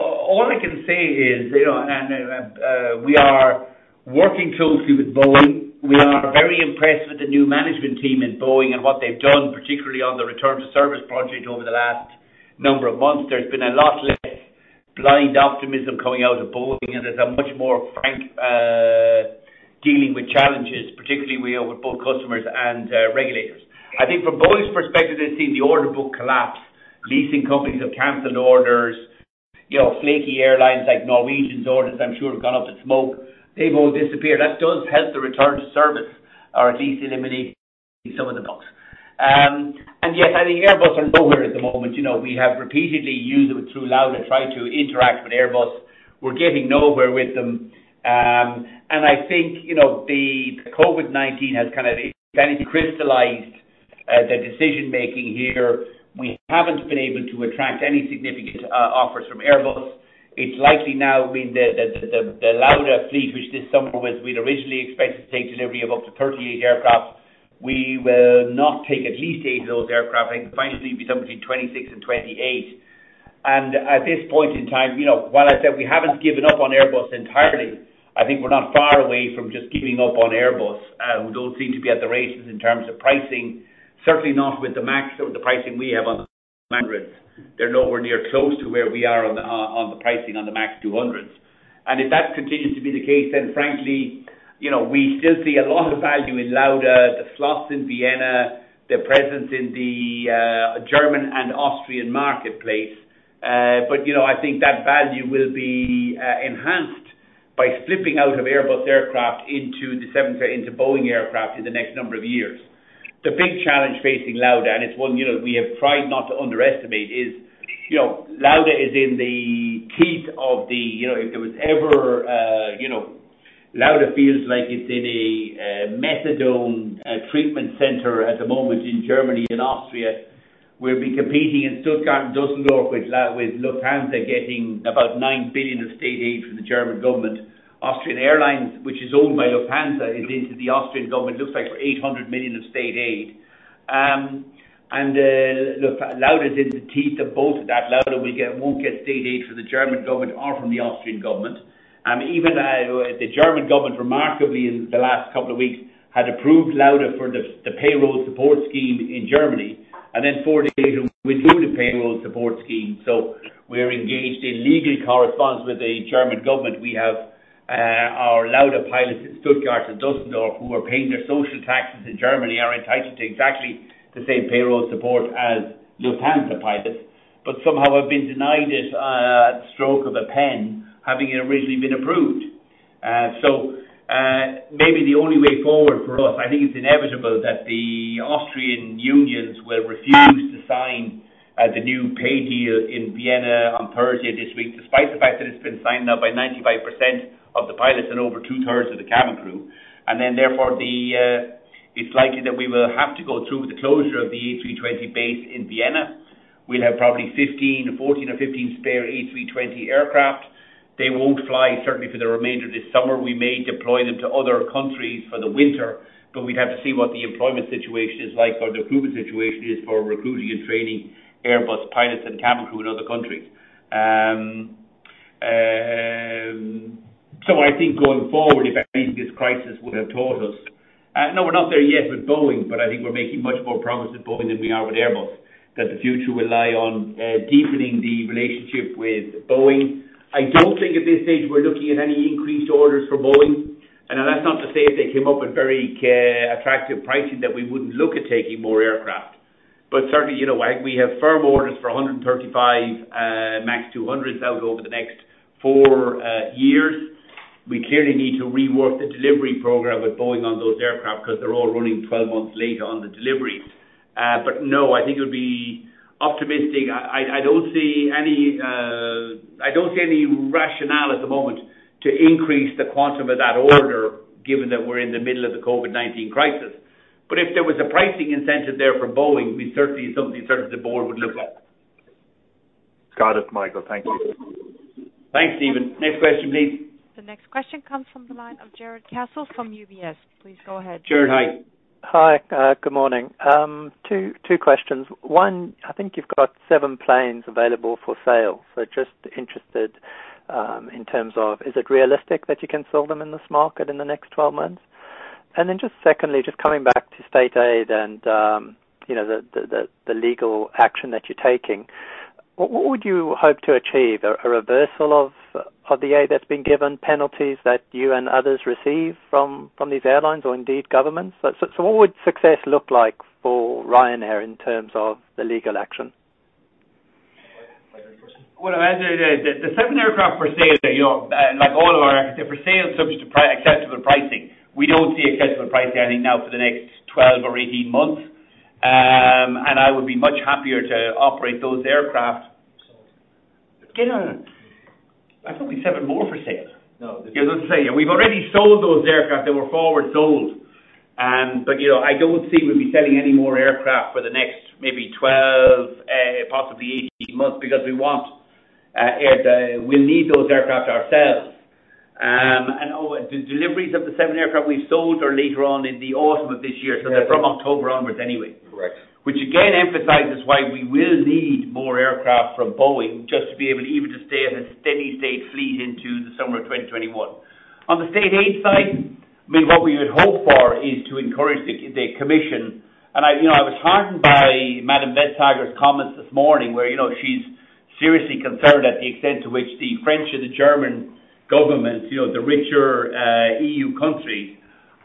All I can say is, we are working closely with Boeing. We are very impressed with the new management team in Boeing and what they've done, particularly on the return to service project over the last number of months. There's been a lot less blind optimism coming out of Boeing, and there's a much more frank dealing with challenges, particularly with both customers and regulators. I think from Boeing's perspective, they've seen the order book collapse. Leasing companies have canceled orders. Flaky airlines like Norwegian's orders I'm sure have gone up in smoke. They've all disappeared. That does help the return to service or at least eliminate some of the bugs. Yes, I think Airbus are nowhere at the moment. We have repeatedly used through Lauda tried to interact with Airbus. We're getting nowhere with them. I think the COVID-19 has kind of crystallized the decision-making here. We haven't been able to attract any significant offers from Airbus. It's likely now with the Lauda fleet, which this summer we'd originally expected to take delivery of up to 38 aircraft. We will not take at least eight of those aircraft. I think it'll finally be somewhere between 26 and 28. At this point in time, while I said we haven't given up on Airbus entirely, I think we're not far away from just giving up on Airbus, who don't seem to be at the races in terms of pricing. Certainly not with the pricing we have on the A320. They're nowhere near close to where we are on the pricing on the MAX 200s. If that continues to be the case, then frankly, we still see a lot of value in Lauda, the slots in Vienna, their presence in the German and Austrian marketplace. I think that value will be enhanced by flipping out of Airbus aircraft into Boeing aircraft in the next number of years. The big challenge facing Lauda, and it's one we have tried not to underestimate, is Lauda is in the teeth of If there was ever, Lauda feels like it's in a methadone treatment center at the moment in Germany and Austria. We'll be competing in Stuttgart and Dusseldorf with Lufthansa getting about 9 billion of state aid from the German government. Austrian Airlines, which is owned by Lufthansa, is into the Austrian government, looks like for 800 million of state aid. Lauda is in the teeth of both of that. Lauda won't get state aid from the German government or from the Austrian government. Even the German government, remarkably, in the last couple of weeks, had approved Lauda for the payroll support scheme in Germany, then four days ago withdrew the payroll support scheme. We're engaged in legal correspondence with the German government. We have our Lauda pilots in Stuttgart and Dusseldorf who are paying their social taxes in Germany, are entitled to exactly the same payroll support as Lufthansa pilots, but somehow have been denied it at the stroke of a pen, having originally been approved. Maybe the only way forward for us, I think it's inevitable that the Austrian unions will refuse to sign the new pay deal in Vienna on Thursday this week, despite the fact that it's been signed now by 95% of the pilots and over two-thirds of the cabin crew. Therefore it's likely that we will have to go through the closure of the A320 base in Vienna. We'll have probably 14 or 15 spare A320 aircraft. They won't fly, certainly for the remainder of this summer. We may deploy them to other countries for the winter, but we'd have to see what the employment situation is like or the approval situation is for recruiting and training Airbus pilots and cabin crew in other countries. I think going forward, if anything, this crisis will have taught us. No, we're not there yet with Boeing, but I think we're making much more progress with Boeing than we are with Airbus, that the future will lie on deepening the relationship with Boeing. I don't think at this stage we're looking at any increased orders for Boeing. That's not to say if they came up with very attractive pricing that we wouldn't look at taking more aircraft. Certainly, I think we have firm orders for 135 MAX 200s. That'll go over the next four years. We clearly need to rework the delivery program with Boeing on those aircraft because they're all running 12 months late on the delivery. No, I think it would be optimistic. I don't see any rationale at the moment to increase the quantum of that order given that we're in the middle of the COVID-19 crisis. If there was a pricing incentive there for Boeing, it would be certainly something the board would look at. Got it, Michael. Thank you. Thanks, Stephen. Next question, please. The next question comes from the line of Jarrod Castle from UBS. Please go ahead. Jarrod, hi. Hi. Good morning. Two questions. One, I think you've got seven planes available for sale. Just interested in terms of, is it realistic that you can sell them in this market in the next 12 months? Just secondly, just coming back to state aid and the legal action that you're taking. What would you hope to achieve? A reversal of the aid that's been given, penalties that you and others receive from these airlines or indeed governments? What would success look like for Ryanair in terms of the legal action? Well, the seven aircraft for sale are like all of our aircraft. They're for sale subject to accessible pricing. We don't see accessible pricing, I think now for the next 12 or 18 months. I would be much happier to operate those aircraft. I thought we had seven more for sale. No. As I was saying, we've already sold those aircraft. They were forward sold. I don't see we'll be selling any more aircraft for the next maybe 12, possibly 18 months because we'll need those aircraft ourselves. The deliveries of the seven aircraft we've sold are later on in the autumn of this year. Correct. They're from October onwards anyway. Correct. Which again emphasizes why we will need more aircraft from Boeing just to be able even to stay at a steady state fleet into the summer of 2021. On the state aid side, what we would hope for is to encourage the commission. I was heartened by Madam Vestager's comments this morning where she's seriously concerned at the extent to which the French or the German government, the richer EU countries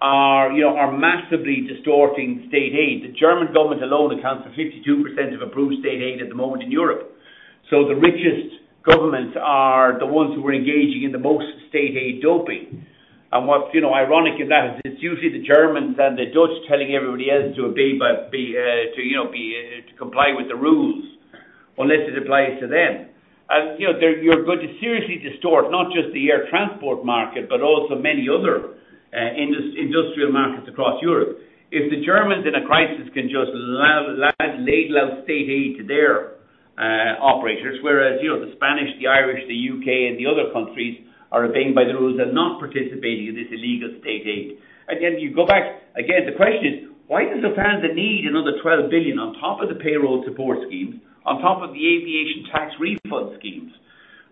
are massively distorting state aid. The German government alone accounts for 52% of approved state aid at the moment in Europe. The richest governments are the ones who are engaging in the most state aid doping. What's ironic is that it's usually the Germans and the Dutch telling everybody else to comply with the rules, unless it applies to them. You're going to seriously distort not just the air transport market, but also many other industrial markets across Europe. If the Germans in a crisis can just ladle out state aid to their operators, whereas the Spanish, the Irish, the U.K., and the other countries are obeying by the rules and not participating in this illegal state aid. Again, the question is, why does Lufthansa need another 12 billion on top of the payroll support schemes, on top of the aviation tax refund schemes?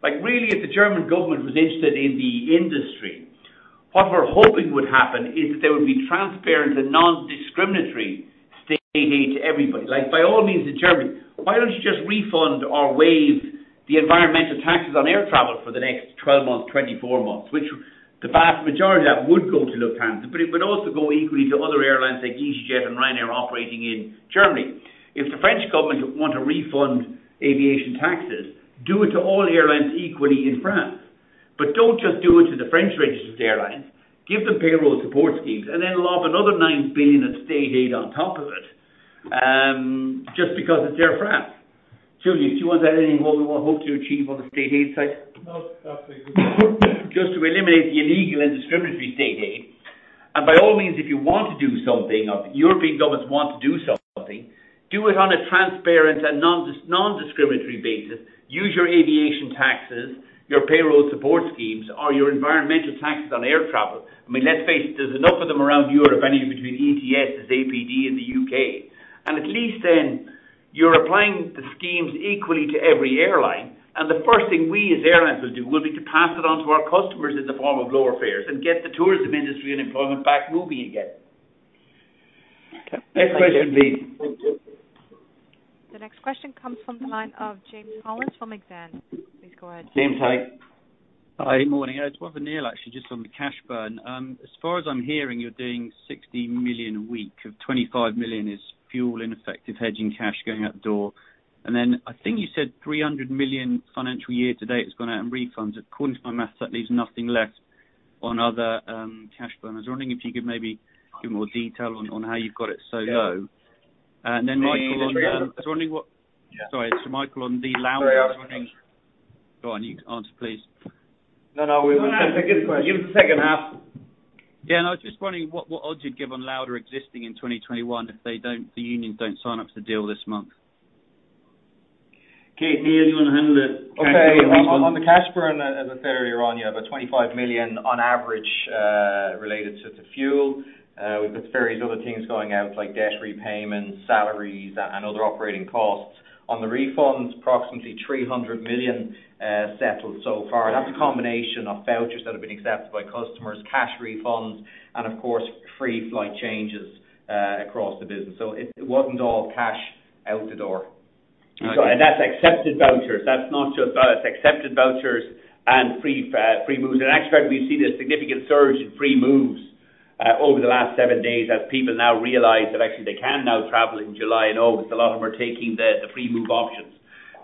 Really, if the German government was interested in the industry, what we're hoping would happen is that they would be transparent and non-discriminatory state aid to everybody. By all means to Germany, why don't you just refund or waive the environmental taxes on air travel for the next 12 months, 24 months? The vast majority of that would go to Lufthansa, but it would also go equally to other airlines like easyJet and Ryanair operating in Germany. If the French government want to refund aviation taxes, do it to all airlines equally in France. Don't just do it to the French registered airlines. Give them payroll support schemes, and then lob another 9 billion of state aid on top of it, just because it's Air France. Julius, do you want to add anything more we hope to achieve on the state aid side? No. That's it. Just to eliminate the illegal and discriminatory state aid. By all means, if you want to do something or if European governments want to do something, do it on a transparent and non-discriminatory basis. Use your aviation taxes, your payroll support schemes, or your environmental taxes on air travel. Let's face it, there's enough of them around Europe, anyway, between ETS, there's APD in the U.K. At least then you're applying the schemes equally to every airline. The first thing we as airlines will do will be to pass it on to our customers in the form of lower fares and get the tourism industry and employment back moving again. Okay. Next question, please. The next question comes from the line of James Collins from Exane. Please go ahead. James, hi. Hi. Morning. It's more for Neil actually, just on the cash burn. As far as I'm hearing, you're doing 60 million a week. Of 25 million is fuel ineffective hedging cash going out the door. Then I think you said 300 million financial year to date has gone out in refunds. According to my math, that leaves nothing left on other cash burn. I was wondering if you could maybe give more detail on how you've got it so low. Yeah. And then Michael- It's very low. I was wondering what. Yeah. Sorry. Michael, on the Lauda Sorry, I was talking. Go on. You answer, please. No. It's a good question. Give him the second half. I was just wondering what odds you'd give on Lauda existing in 2021 if the unions don't sign up to the deal this month? Okay. Neil, do you want to handle the cash burn piece? Okay. On the cash burn, as I said earlier on, you have a 25 million on average related to the fuel. We've got various other things going out like debt repayments, salaries, and other operating costs. On the refunds, approximately 300 million settled so far. That's a combination of vouchers that have been accepted by customers, cash refunds, and of course, free flight changes across the business. It wasn't all cash out the door. That's accepted vouchers. It's accepted vouchers and free moves. We've seen a significant surge in free moves over the last seven days, as people now realize that actually they can now travel in July and August, a lot of them are taking the free move options.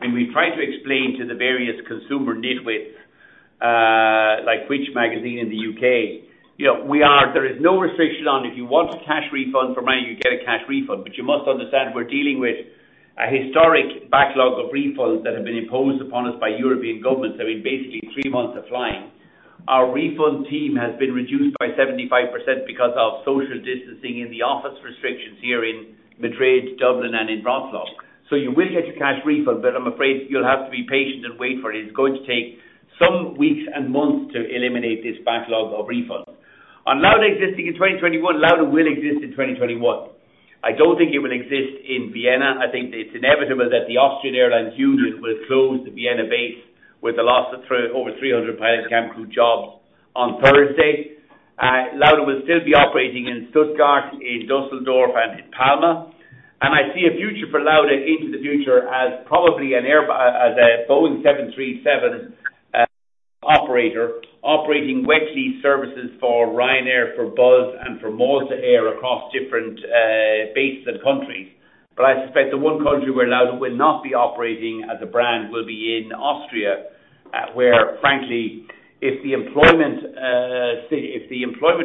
We've tried to explain to the various consumer nitwits, like Which? magazine in the U.K. There is no restriction on if you want a cash refund from Ryanair, you get a cash refund. You must understand we're dealing with a historic backlog of refunds that have been imposed upon us by European governments. Basically three months of flying. Our refund team has been reduced by 75% because of social distancing and the office restrictions here in Madrid, Dublin, and in Wroclaw. You will get your cash refund, but I'm afraid you'll have to be patient and wait for it. It's going to take some weeks and months to eliminate this backlog of refunds. On Lauda existing in 2021, Lauda will exist in 2021. I don't think it will exist in Vienna. I think it's inevitable that the Austrian Airlines union will close the Vienna base with the loss of over 300 pilot cabin crew jobs on Thursday. Lauda will still be operating in Stuttgart, in Düsseldorf and in Palma, and I see a future for Lauda into the future as probably as a Boeing 737 operator operating wet lease services for Ryanair, for Buzz and for Malta Air across different bases and countries. I suspect the one country where Lauda will not be operating as a brand will be in Austria, where frankly, if the employment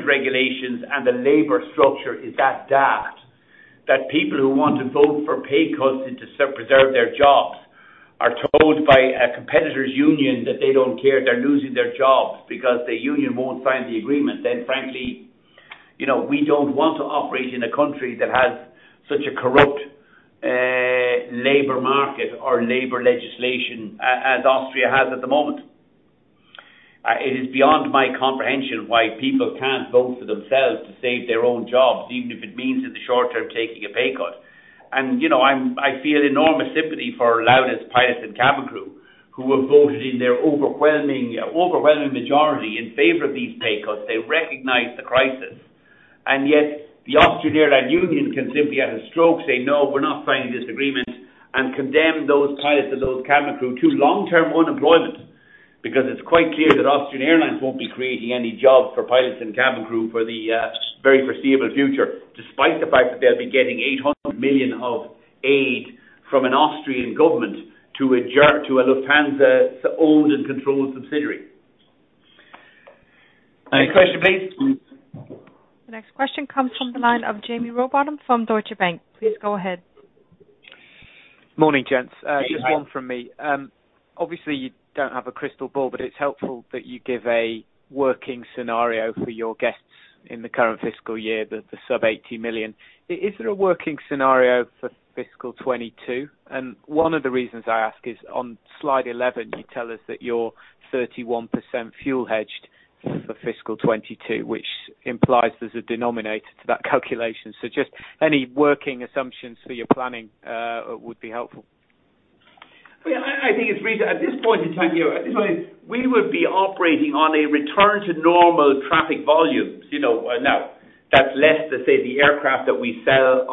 regulations and the labor structure is that daft, that people who want to vote for pay cuts and to preserve their jobs are told by a competitor's union that they don't care they're losing their jobs because the union won't sign the agreement, then frankly, we don't want to operate in a country that has such a corrupt labor market or labor legislation as Austria has at the moment. It is beyond my comprehension why people can't vote for themselves to save their own jobs, even if it means in the short term taking a pay cut. I feel enormous sympathy for Lauda's pilots and cabin crew who have voted in their overwhelming majority in favor of these pay cuts. They recognize the crisis, yet the Austrian Airlines Union can simply at a stroke say, "No, we're not signing this agreement," and condemn those pilots and those cabin crew to long-term unemployment. It's quite clear that Austrian Airlines won't be creating any jobs for pilots and cabin crew for the very foreseeable future, despite the fact that they'll be getting 800 million of aid from an Austrian government to a Lufthansa-owned and controlled subsidiary. Next question please. The next question comes from the line of Jaime Rowbotham from Deutsche Bank. Please go ahead. Morning, gents. Hi. Just one from me. Obviously you don't have a crystal ball, but it's helpful that you give a working scenario for your guests in the current fiscal year, the sub-80 million. Is there a working scenario for fiscal 2022? One of the reasons I ask is on slide 11, you tell us that you're 31% fuel hedged for fiscal 2022, which implies there's a denominator to that calculation. Just any working assumptions for your planning would be helpful. I think at this point in time, we would be operating on a return to normal traffic volumes. That's less than, say, the aircraft that we sell.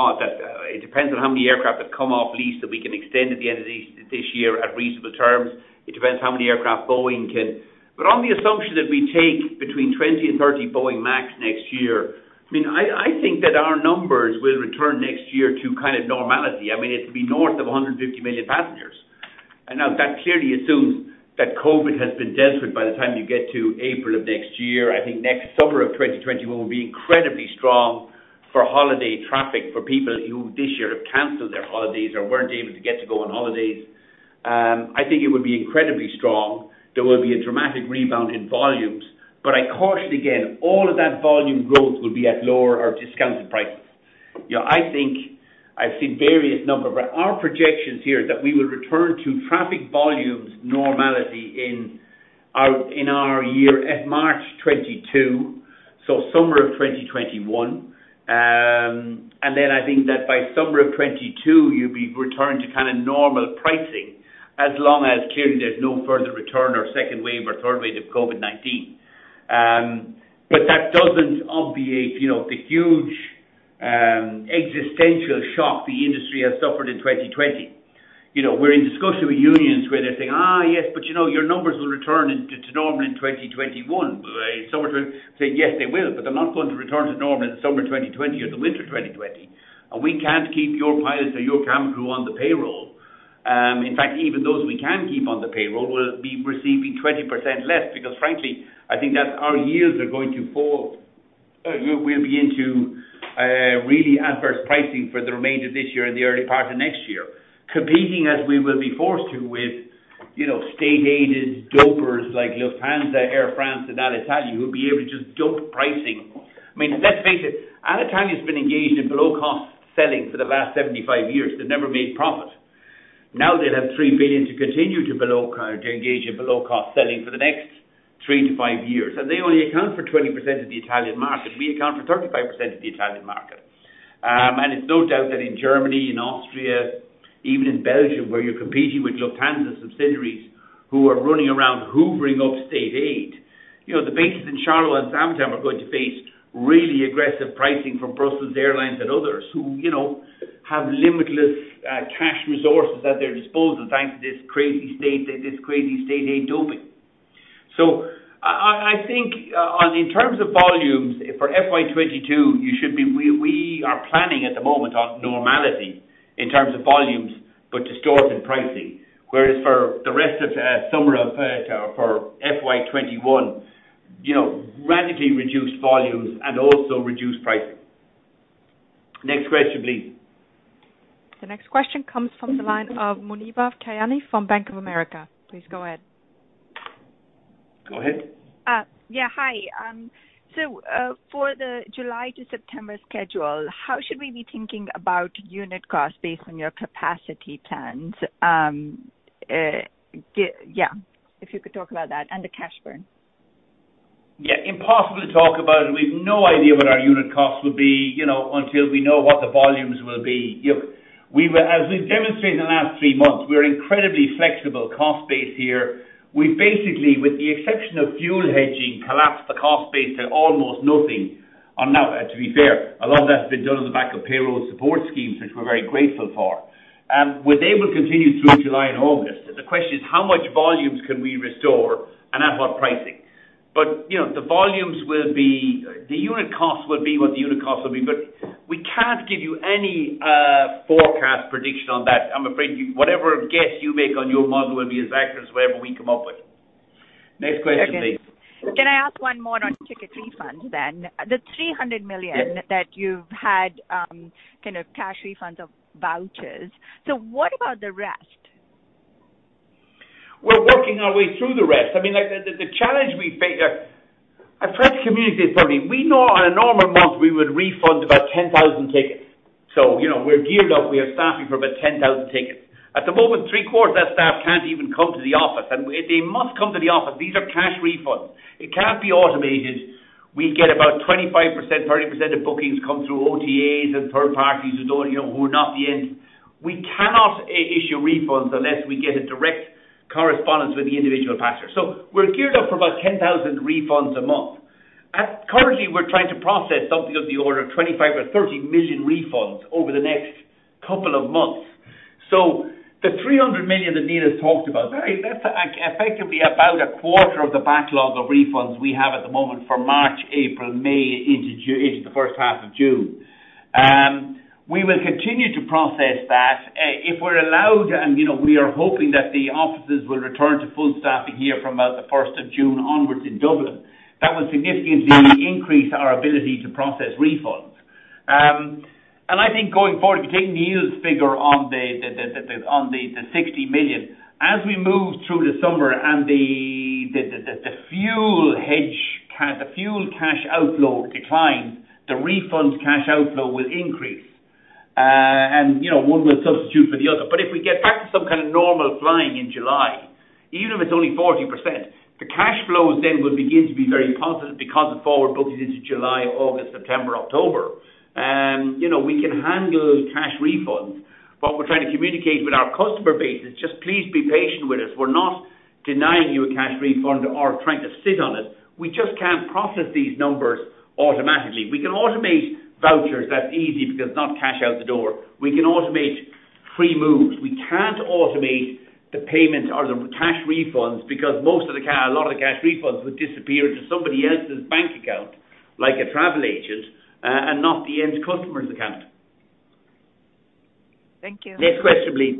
It depends on how many aircraft have come off lease that we can extend at the end of this year at reasonable terms. It depends how many aircraft Boeing can. On the assumption that we take between 20 and 30 Boeing MAX next year, I think that our numbers will return next year to kind of normality. It'll be north of 150 million passengers. That clearly assumes that COVID has been dealt with by the time you get to April of next year. I think next summer of 2021 will be incredibly strong for holiday traffic for people who this year have canceled their holidays or weren't able to get to go on holidays. I think it would be incredibly strong. There will be a dramatic rebound in volumes. I caution again, all of that volume growth will be at lower or discounted prices. I've seen various numbers, but our projections here is that we will return to traffic volumes normality in our year at March 2022, so summer of 2021. I think that by summer of 2022 you'll be returning to kind of normal pricing as long as clearly there's no further return or second wave or third wave of COVID-19. That doesn't obviate the huge existential shock the industry has suffered in 2020. We're in discussion with unions where they're saying, "Yes, but you know your numbers will return to normal in 2021." saying, "Yes, they will, but they're not going to return to normal in the summer 2020 or the winter 2020. We can't keep your pilots or your cabin crew on the payroll. In fact, even those we can keep on the payroll will be receiving 20% less because frankly, I think that our yields are going to fall. We'll be into really adverse pricing for the remainder of this year and the early part of next year, competing as we will be forced to with state-aided dopers like Lufthansa, Air France and Alitalia, who'll be able to just dump pricing. Let's face it, Alitalia's been engaged in below cost selling for the last 75 years. They've never made profit. Now they'll have 3 billion to continue to engage in below cost selling for the next three to five years. They only account for 20% of the Italian market. We account for 35% of the Italian market. It's no doubt that in Germany, in Austria, even in Belgium, where you're competing with Lufthansa subsidiaries who are running around hoovering up state aid. The bases in Charleroi and Zaventem are going to face really aggressive pricing from Brussels Airlines and others who have limitless cash resources at their disposal thanks to this crazy state aid doping. I think in terms of volumes for FY 2022, we are planning at the moment on normality in terms of volumes, but distorted pricing. Whereas for the rest of summer for FY 2021, radically reduced volumes and also reduced pricing. Next question, please. The next question comes from the line of Muneeba Kayani from Bank of America. Please go ahead. Go ahead. Hi. For the July to September schedule, how should we be thinking about unit costs based on your capacity plans? If you could talk about that and the cash burn. Yeah. Impossible to talk about. We've no idea what our unit costs will be, until we know what the volumes will be. As we've demonstrated in the last three months, we're incredibly flexible cost base here. We basically, with the exception of fuel hedging, collapsed the cost base to almost nothing. To be fair, a lot of that's been done on the back of payroll support schemes, which we're very grateful for. Will they will continue through July and August? The question is how much volumes can we restore and at what pricing? The unit cost will be what the unit cost will be. We can't give you any forecast prediction on that. I'm afraid whatever guess you make on your model will be as accurate as whatever we come up with. Next question, please. Can I ask one more on ticket refunds then? The 300 million that you've had, kind of cash refunds of vouchers. What about the rest? We're working our way through the rest. I mean, like the challenge we face. I've tried to communicate something. We know on a normal month, we would refund about 10,000 tickets. We're geared up. We have staffing for about 10,000 tickets. At the moment, three-quarters of that staff can't even come to the office, and they must come to the office. These are cash refunds. It can't be automated. We get about 25%, 30% of bookings come through OTAs and third parties who are not the end. We cannot issue refunds unless we get a direct correspondence with the individual passenger. We're geared up for about 10,000 refunds a month. Currently, we're trying to process something of the order of 25 or 30 million refunds over the next couple of months. The 300 million that Neil has talked about, that's effectively about a quarter of the backlog of refunds we have at the moment for March, April, May into the first half of June. We will continue to process that. If we're allowed, and we are hoping that the offices will return to full staffing here from about the 1st of June onwards in Dublin. That will significantly increase our ability to process refunds. I think going forward, taking Neil's figure on the 60 million. As we move through the summer and the fuel cash outflow declines, the refund cash outflow will increase. One will substitute for the other. If we get back to some kind of normal flying in July, even if it's only 40%, the cash flows then will begin to be very positive because of forward bookings into July, August, September, October. We can handle those cash refunds. What we're trying to communicate with our customer base is just please be patient with us. We're not denying you a cash refund or trying to sit on it. We just can't process these numbers automatically. We can automate vouchers. That's easy because it's not cash out the door. We can automate free moves. We can't automate the payments or the cash refunds because a lot of the cash refunds would disappear into somebody else's bank account, like a travel agent, and not the end customer's account. Thank you. Next question, please.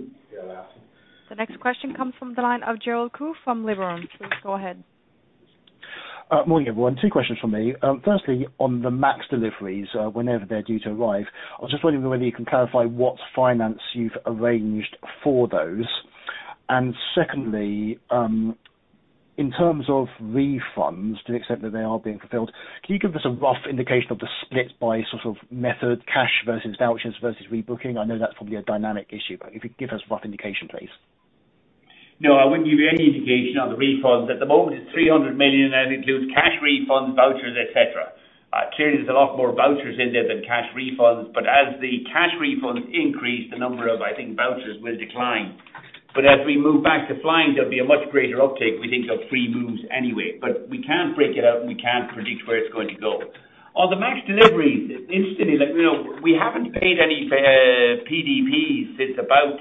The next question comes from the line of Gerald Khoo from Liberum. Please go ahead. Morning, everyone. Two questions from me. Firstly, on the MAX deliveries, whenever they're due to arrive, I was just wondering whether you can clarify what finance you've arranged for those. Secondly, in terms of refunds to the extent that they are being fulfilled, can you give us a rough indication of the split by sort of method cash versus vouchers versus rebooking? I know that's probably a dynamic issue, but if you could give us a rough indication, please. No, I wouldn't give you any indication on the refunds. At the moment, it's 300 million. It includes cash refunds, vouchers, et cetera. Clearly, there's a lot more vouchers in there than cash refunds. As the cash refunds increase, the number of, I think, vouchers will decline. As we move back to flying, there'll be a much greater uptake, we think, of free moves anyway. We can't break it out and we can't predict where it's going to go. On the MAX delivery, interestingly, we haven't paid any PDPs since about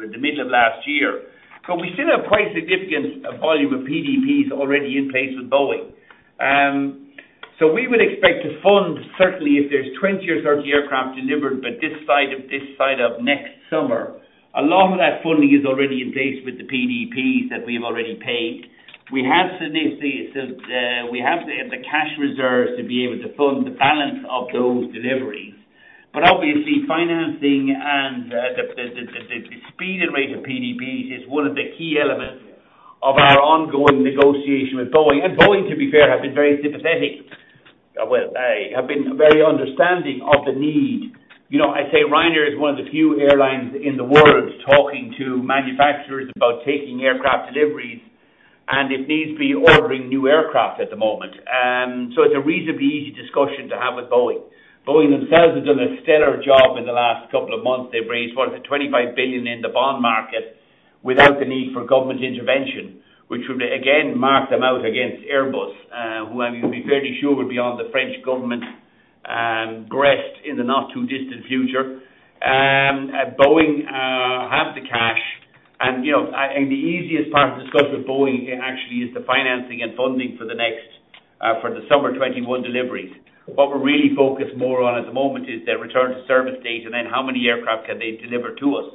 the middle of last year. We still have quite a significant volume of PDPs already in place with Boeing. We would expect to fund certainly if there's 20 or 30 aircraft delivered by this side of next summer. A lot of that funding is already in place with the PDPs that we've already paid. We have the cash reserves to be able to fund the balance of those deliveries. Obviously financing and the speed and rate of PDPs is one of the key elements of our ongoing negotiation with Boeing. Boeing, to be fair, have been very sympathetic. Well, have been very understanding of the need. I say Ryanair is one of the few airlines in the world talking to manufacturers about taking aircraft deliveries and if needs be ordering new aircraft at the moment. It's a reasonably easy discussion to have with Boeing. Boeing themselves have done a stellar job in the last couple of months. They've raised, what is it, 25 billion in the bond market without the need for government intervention, which would again mark them out against Airbus who I'm fairly sure will be on the French government breast in the not too distant future. Boeing have the cash, the easiest part of the discussion with Boeing actually is the financing and funding for the Summer 2021 deliveries. What we're really focused more on at the moment is their return to service date, then how many aircraft can they deliver to us.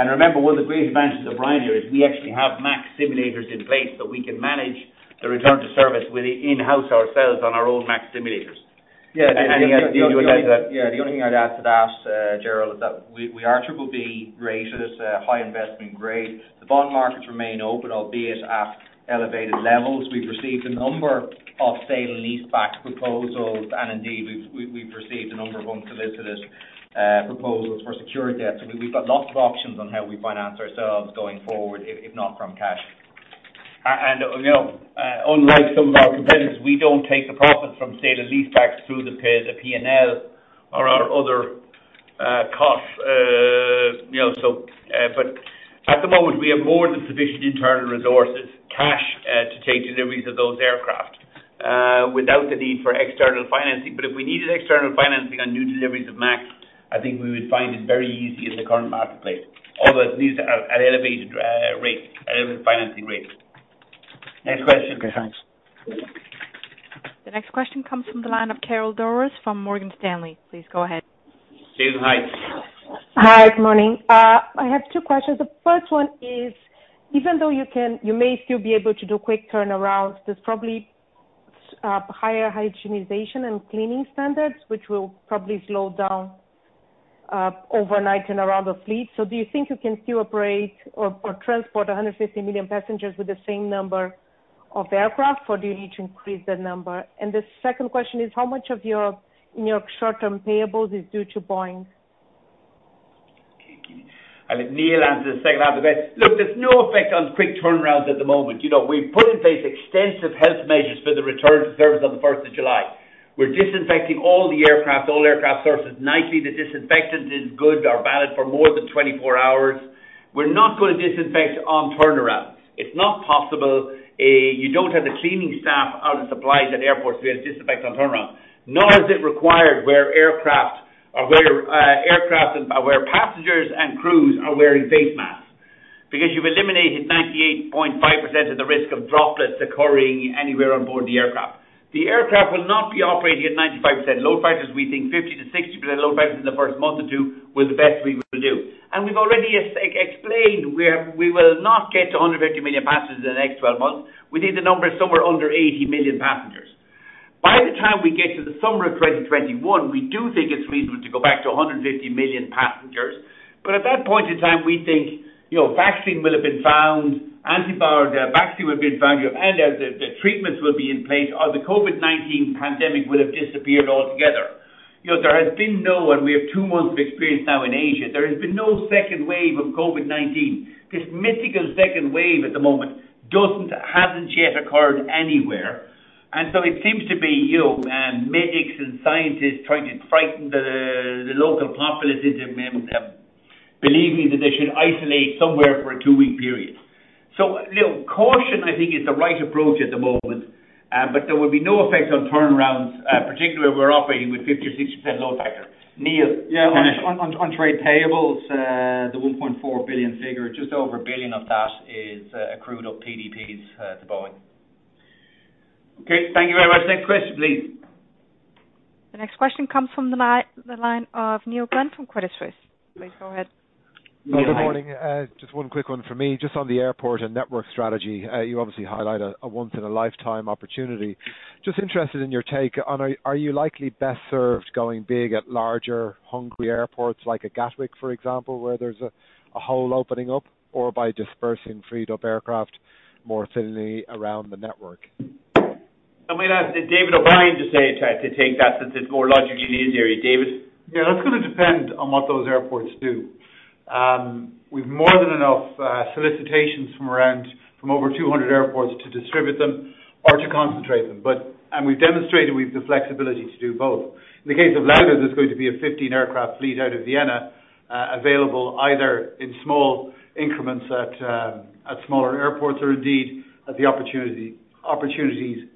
Remember, one of the great advantages of Ryanair is we actually have MAX simulators in place that we can manage the return to service with in-house ourselves on our own MAX simulators. Yeah. Any other thing you would add to that? Yeah, the only thing I'd add to that, Gerald, is that we are triple B rated, high investment grade. The bond markets remain open, albeit at elevated levels. Indeed, we've received a number of sale and leaseback proposals, and we've received a number of unsolicited proposals for secured debt. We've got lots of options on how we finance ourselves going forward, if not from cash. Unlike some of our competitors, we don't take the profits from sale and leasebacks through the P&L or our other costs. At the moment, we have more than sufficient internal resources, cash, to take deliveries of those aircraft without the need for external financing. If we needed external financing on new deliveries of MAX, I think we would find it very easy in the current marketplace, although at elevated financing rates. Next question. Okay, thanks. The next question comes from the line of Carolina Dores from Morgan Stanley. Please go ahead. Susan, hi. Hi, good morning. I have two questions. The first one is, even though you may still be able to do quick turnarounds, there's probably higher hygienization and cleaning standards, which will probably slow down overnight turnaround of fleet. Do you think you can still operate or transport 150 million passengers with the same number of aircraft? Do you need to increase the number? The second question is, how much of your short-term payables is due to Boeing? I think Neil answered the second half of it. Look, there's no effect on quick turnarounds at the moment. We've put in place extensive health measures for the return to service on the 1st of July. We're disinfecting all the aircraft, all aircraft surfaces nightly. The disinfectant is good or valid for more than 24 hours. We're not going to disinfect on turnaround. It's not possible. You don't have the cleaning staff or the supplies at airports to be able to disinfect on turnaround. Nor is it required where passengers and crews are wearing face masks. You've eliminated 98.5% of the risk of droplets occurring anywhere on board the aircraft. The aircraft will not be operating at 95% load factors. We think 50%-60% load factors in the first month or two were the best we will do. We've already explained we will not get to 150 million passengers in the next 12 months. We think the number is somewhere under 80 million passengers. By the time we get to the summer of 2021, we do think it's reasonable to go back to 150 million passengers. At that point in time, we think a vaccine will have been found, and the treatments will be in place, or the COVID-19 pandemic will have disappeared altogether. We have two months of experience now in Asia, there has been no second wave of COVID-19. This mythical second wave at the moment hasn't yet occurred anywhere. It seems to be medics and scientists trying to frighten the local populace into believing that they should isolate somewhere for a two-week period. Caution, I think, is the right approach at the moment. There will be no effect on turnarounds, particularly if we're operating with 50% or 60% load factor. Neil. Yeah. Finish. On trade payables, the 1.4 billion figure, just over 1 billion of that is accrued up PDPs to Boeing. Okay, thank you very much. Next question, please. The next question comes from the line of Neil Glynn from Credit Suisse. Please go ahead. Neil, hi. Good morning. Just one quick one from me. On the airport and network strategy. You obviously highlight a once-in-a-lifetime opportunity. Interested in your take on, are you likely best served going big at larger hungry airports like a Gatwick, for example, where there's a hole opening up, or by dispersing freed-up aircraft more thinly around the network? I might ask David O'Brien to take that since it's more logically in his area. David. Yeah, that's going to depend on what those airports do. We've more than enough solicitations from over 200 airports to distribute them or to concentrate them. We've demonstrated we've the flexibility to do both. In the case of Lauda, there's going to be a 15-aircraft fleet out of Vienna available either in small increments at smaller airports or indeed at the opportunities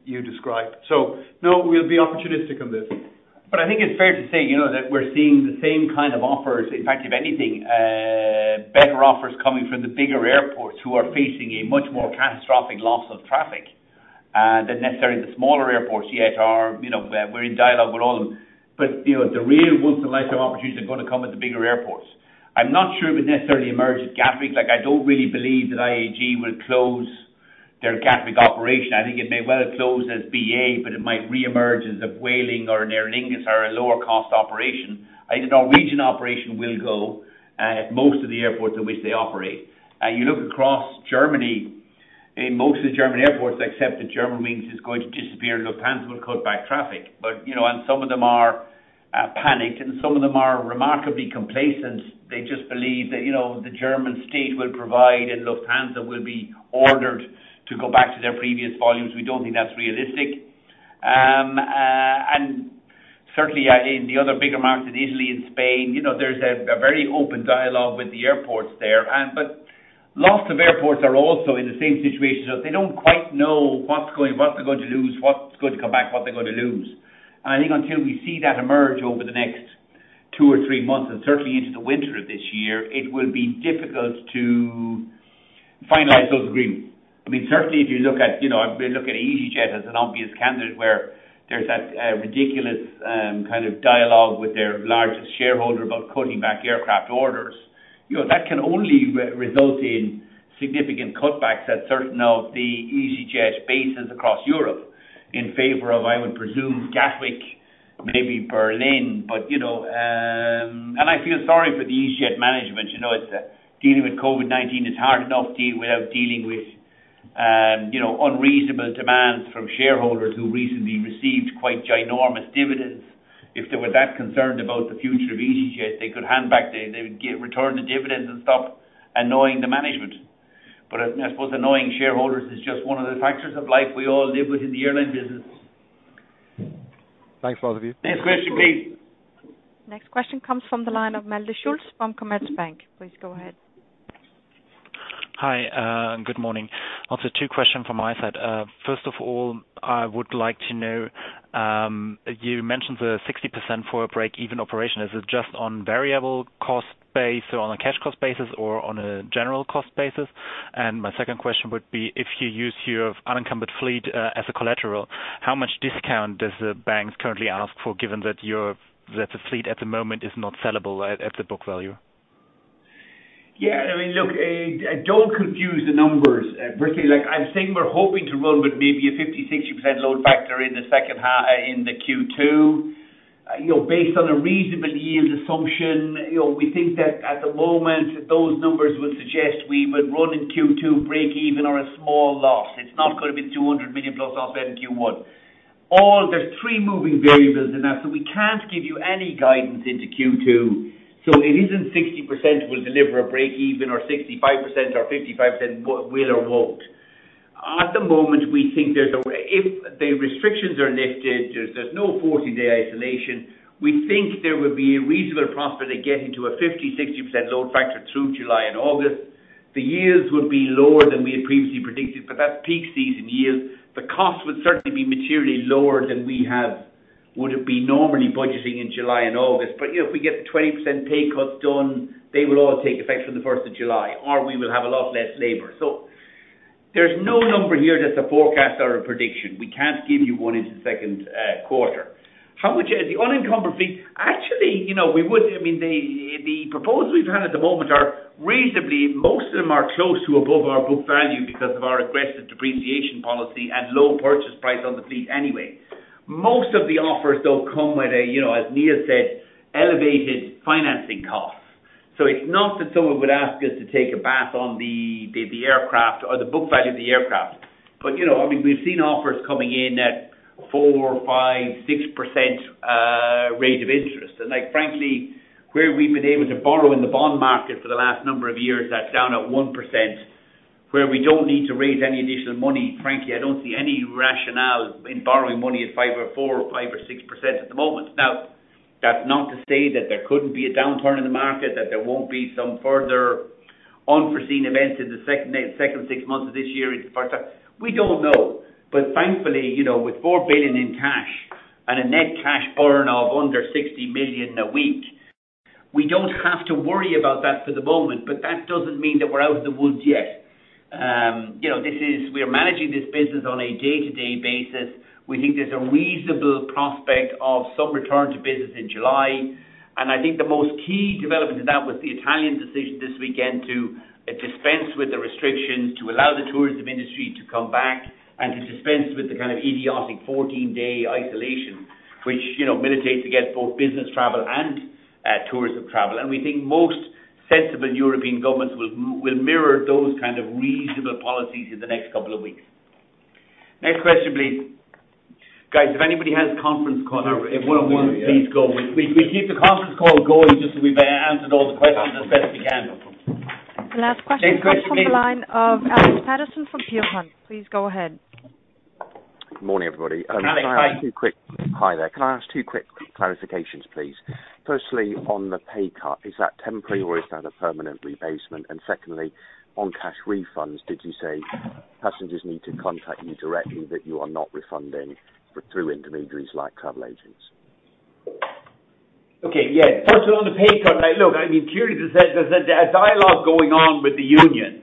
you described. No, we'll be opportunistic on this. I think it's fair to say that we're seeing the same kind of offers. In fact, if anything, better offers coming from the bigger airports who are facing a much more catastrophic loss of traffic than necessarily the smaller airports yet are. We're in dialogue with all of them. The real once-in-a-lifetime opportunities are going to come at the bigger airports. I'm not sure it would necessarily emerge at Gatwick. I don't really believe that IAG will close their Gatwick operation. I think it may well have closed as BA, but it might reemerge as a Vueling or an Aer Lingus or a lower-cost operation. The Norwegian operation will go at most of the airports in which they operate. You look across Germany, most of the German airports except that Germanwings is going to disappear and Lufthansa will cut back traffic. Some of them are panicked and some of them are remarkably complacent. They just believe that the German state will provide and Lufthansa will be ordered to go back to their previous volumes. We don't think that's realistic. Certainly in the other bigger markets, in Italy and Spain, there's a very open dialogue with the airports there. Lots of airports are also in the same situation. They don't quite know what they're going to lose, what's going to come back, what they're going to lose. I think until we see that emerge over the next two or three months, and certainly into the winter of this year, it will be difficult to finalize those agreements. Certainly, if you look at easyJet as an obvious candidate where there's that ridiculous kind of dialogue with their largest shareholder about cutting back aircraft orders. That can only result in significant cutbacks at certain of the easyJet bases across Europe in favor of, I would presume, Gatwick, maybe Berlin. I feel sorry for the easyJet management. Dealing with COVID-19 is hard enough without dealing with unreasonable demands from shareholders who recently received quite ginormous dividends. If they were that concerned about the future of easyJet, they could hand back. They would return the dividends and stop annoying the management. I suppose annoying shareholders is just one of the factors of life we all live with in the airline business. Thanks, both of you. Next question, please. Next question comes from the line of Malte Schulz from Commerzbank. Please go ahead. Hi, good morning. Also two questions from my side. First of all, I would like to know, you mentioned the 60% for a break-even operation. Is it just on variable cost basis or on a cash cost basis or on a general cost basis? My second question would be, if you use your unencumbered fleet as a collateral, how much discount does the banks currently ask for, given that the fleet at the moment is not sellable at the book value? Look, don't confuse the numbers, Malte Schulz. I'm saying we're hoping to run with maybe a 50%, 60% load factor in the Q2. Based on a reasonable yield assumption, we think that at the moment, those numbers would suggest we would run in Q2 break even or a small loss. It's not going to be 200 million-plus off in Q1. There's three moving variables in that. We can't give you any guidance into Q2. It isn't 60% will deliver a break even or 65% or 55% will or won't. At the moment, if the restrictions are lifted, there's no 14-day isolation, we think there would be a reasonable prospect of getting to a 50%, 60% load factor through July and August. The yields would be lower than we had previously predicted, but that's peak season yields. The cost would certainly be materially lower than we would have been normally budgeting in July and August. If we get the 20% pay cuts done, they will all take effect from the 1st of July, or we will have a lot less labor. There's no number here that's a forecast or a prediction. We can't give you one into the second quarter. How much is the unencumbered fleet? Actually, the proposals we've had at the moment are reasonably, most of them are close to above our book value because of our aggressive depreciation policy and low purchase price on the fleet anyway. Most of the offers, though, come with a, as Neil said, elevated financing cost. It's not that someone would ask us to take a bath on the aircraft or the book value of the aircraft. We've seen offers coming in at 4%, 5%, 6% rate of interest. Frankly, where we've been able to borrow in the bond market for the last number of years, that's down at 1%, where we don't need to raise any additional money. Frankly, I don't see any rationale in borrowing money at 4% or 5% or 6% at the moment. That's not to say that there couldn't be a downturn in the market, that there won't be some further unforeseen event in the second 6 months of this year into the first half. We don't know. Thankfully, with 4 billion in cash and a net cash burn of under 60 million a week, we don't have to worry about that for the moment. That doesn't mean that we're out of the woods yet. We are managing this business on a day-to-day basis. We think there's a reasonable prospect of some return to business in July. I think the most key development in that was the Italian decision this weekend to dispense with the restrictions to allow the tourism industry to come back and to dispense with the kind of idiotic 14-day isolation, which militates against both business travel and tourism travel. We think most sensible European governments will mirror those kind of reasonable policies in the next couple of weeks. Next question, please. Guys, if anybody has conference call or one-on-one, please go. We'll keep the conference call going just so we may answer those questions as best we can. The last question comes from the line of Alex Paterson from Peel Hunt. Please go ahead. Good morning, everybody. Alex, hi. Hi there. Can I ask two quick clarifications, please? Firstly, on the pay cut, is that temporary or is that a permanent replacement? Secondly, on cash refunds, did you say passengers need to contact you directly, that you are not refunding through intermediaries like travel agents? Firstly, on the pay cut. Clearly there's a dialogue going on with the unions.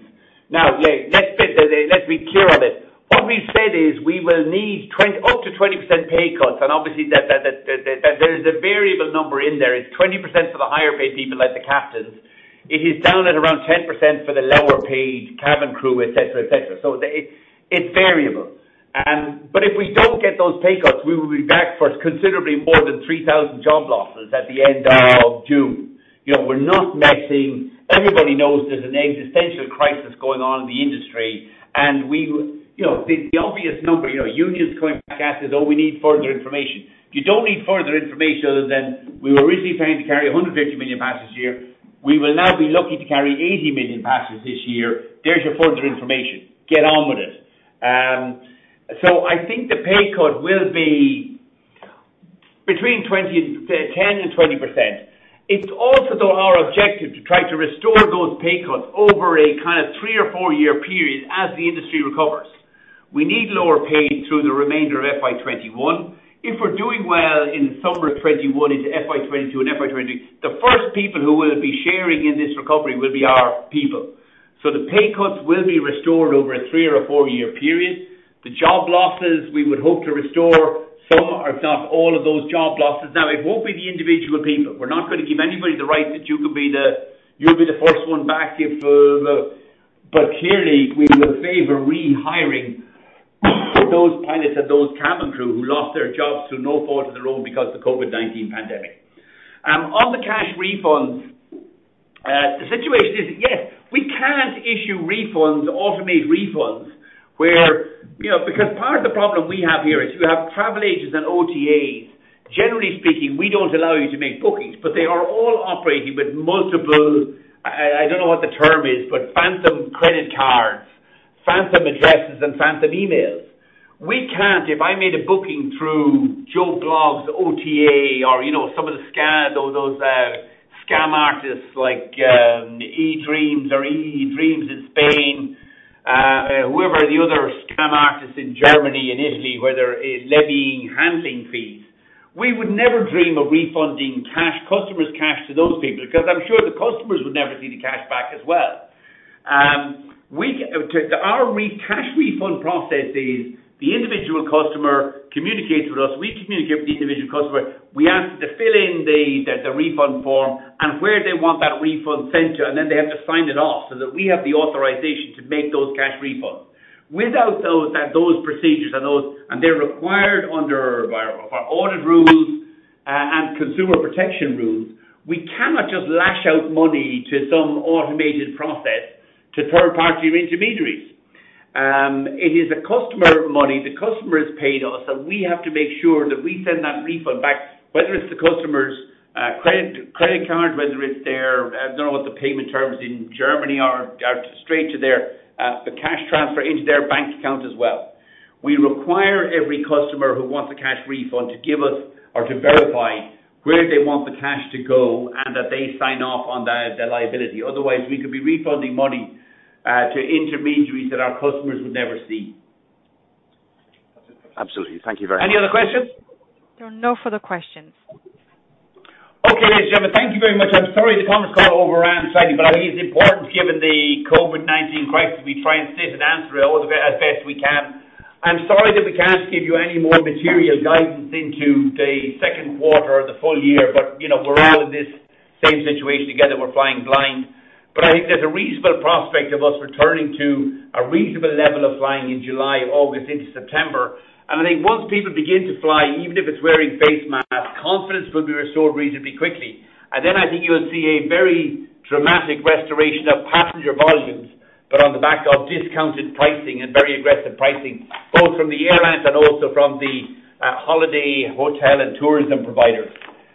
Let's be clear on it. What we've said is we will need up to 20% pay cuts. Obviously, there is a variable number in there. It's 20% for the higher paid people like the captains. It is down at around 10% for the lower paid cabin crew, et cetera. It's variable. If we don't get those pay cuts, we will be back for considerably more than 3,000 job losses at the end of June. We're not messing. Everybody knows there's an existential crisis going on in the industry. The obvious number, unions coming back at us, "Oh, we need further information." You don't need further information other than we were originally planning to carry 150 million passengers this year. We will now be lucky to carry 80 million passengers this year. There's your further information. Get on with it. I think the pay cut will be between 10% and 20%. It's also our objective to try to restore those pay cuts over a three or four-year period as the industry recovers. We need lower pay through the remainder of FY 2021. If we're doing well in summer of 2021 into FY 2022 and FY 2023, the first people who will be sharing in this recovery will be our people. The pay cuts will be restored over a three or a four-year period. The job losses, we would hope to restore some, if not all of those job losses. It won't be the individual people. We're not going to give anybody the right that you'll be the first one back. Clearly, we will favor rehiring those pilots and those cabin crew who lost their jobs through no fault of their own because the COVID-19 pandemic. On the cash refunds, the situation is, yes, we can't issue refunds, automate refunds, because part of the problem we have here is you have travel agents and OTAs. Generally speaking, we don't allow you to make bookings, but they are all operating with multiple, I don't know what the term is, but phantom credit cards, phantom addresses, and phantom emails. We can't, if I made a booking through Joe Blog's OTA or some of those scam artists like eDreams or eDreams in Spain, whoever the other scam artists in Germany and Italy, where they're levying handling fees. We would never dream of refunding customers' cash to those people, because I'm sure the customers would never see the cash back as well. Our cash refund process is the individual customer communicates with us, we communicate with the individual customer. We ask them to fill in the refund form and where they want that refund sent to, and then they have to sign it off so that we have the authorization to make those cash refunds. Without those procedures, and they're required under our audit rules and consumer protection rules. We cannot just lash out money to some automated process to third-party intermediaries. It is the customer money the customer has paid us, and we have to make sure that we send that refund back, whether it's the customer's credit card, whether it's their, I don't know what the payment terms in Germany are, straight to the cash transfer into their bank account as well. We require every customer who wants a cash refund to give us or to verify where they want the cash to go and that they sign off on the liability. Otherwise, we could be refunding money to intermediaries that our customers would never see. Absolutely. Thank you very much. Any other questions? There are no further questions. Okay. Ladies and gentlemen, thank you very much. I am sorry the conference call overran slightly. I think it is important given the COVID-19 crisis, we try and sit and answer it as best we can. I am sorry that we cannot give you any more material guidance into the second quarter or the full year. We are all in this same situation together. We are flying blind. I think there is a reasonable prospect of us returning to a reasonable level of flying in July, August into September. I think once people begin to fly, even if it is wearing face masks, confidence will be restored reasonably quickly. I think you will see a very dramatic restoration of passenger volumes, but on the back of discounted pricing and very aggressive pricing, both from the airlines and also from the holiday hotel and tourism providers.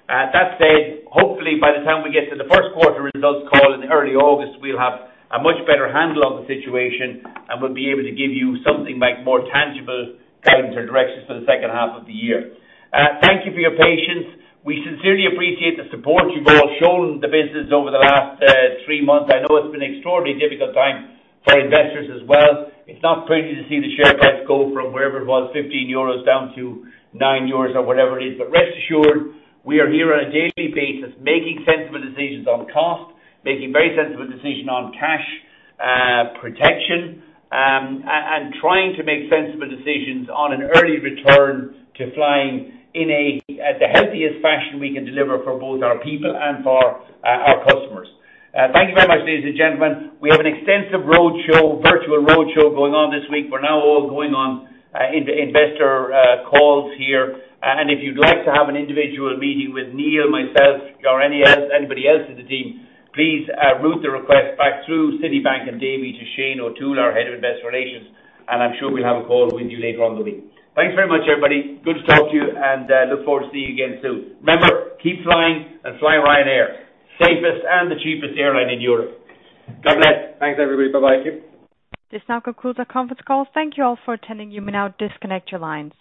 That said, hopefully by the time we get to the first quarter results call in early August, we'll have a much better handle on the situation and we'll be able to give you something like more tangible guidance or directions for the second half of the year. Thank you for your patience. We sincerely appreciate the support you've all shown the business over the last three months. I know it's been an extraordinarily difficult time for investors as well. It's not pretty to see the share price go from wherever it was, 15 euros down to 9 euros or whatever it is. Rest assured, we are here on a daily basis making sensible decisions on cost, making very sensible decision on cash protection, and trying to make sensible decisions on an early return to flying in the healthiest fashion we can deliver for both our people and for our customers. Thank you very much, ladies and gentlemen. We have an extensive virtual road show going on this week. We're now all going on investor calls here. If you'd like to have an individual meeting with Neil, myself, or anybody else in the team, please route the request back through Citi and Davy to Shane O'Toole, our Head of Investor Relations, and I'm sure we'll have a call with you later on in the week. Thanks very much, everybody. Good to talk to you, and look forward to seeing you again soon. Remember, keep flying and fly Ryanair, safest and the cheapest airline in Europe. God bless. Thanks, everybody. Bye-bye. This now concludes our conference call. Thank you all for attending. You may now disconnect your lines.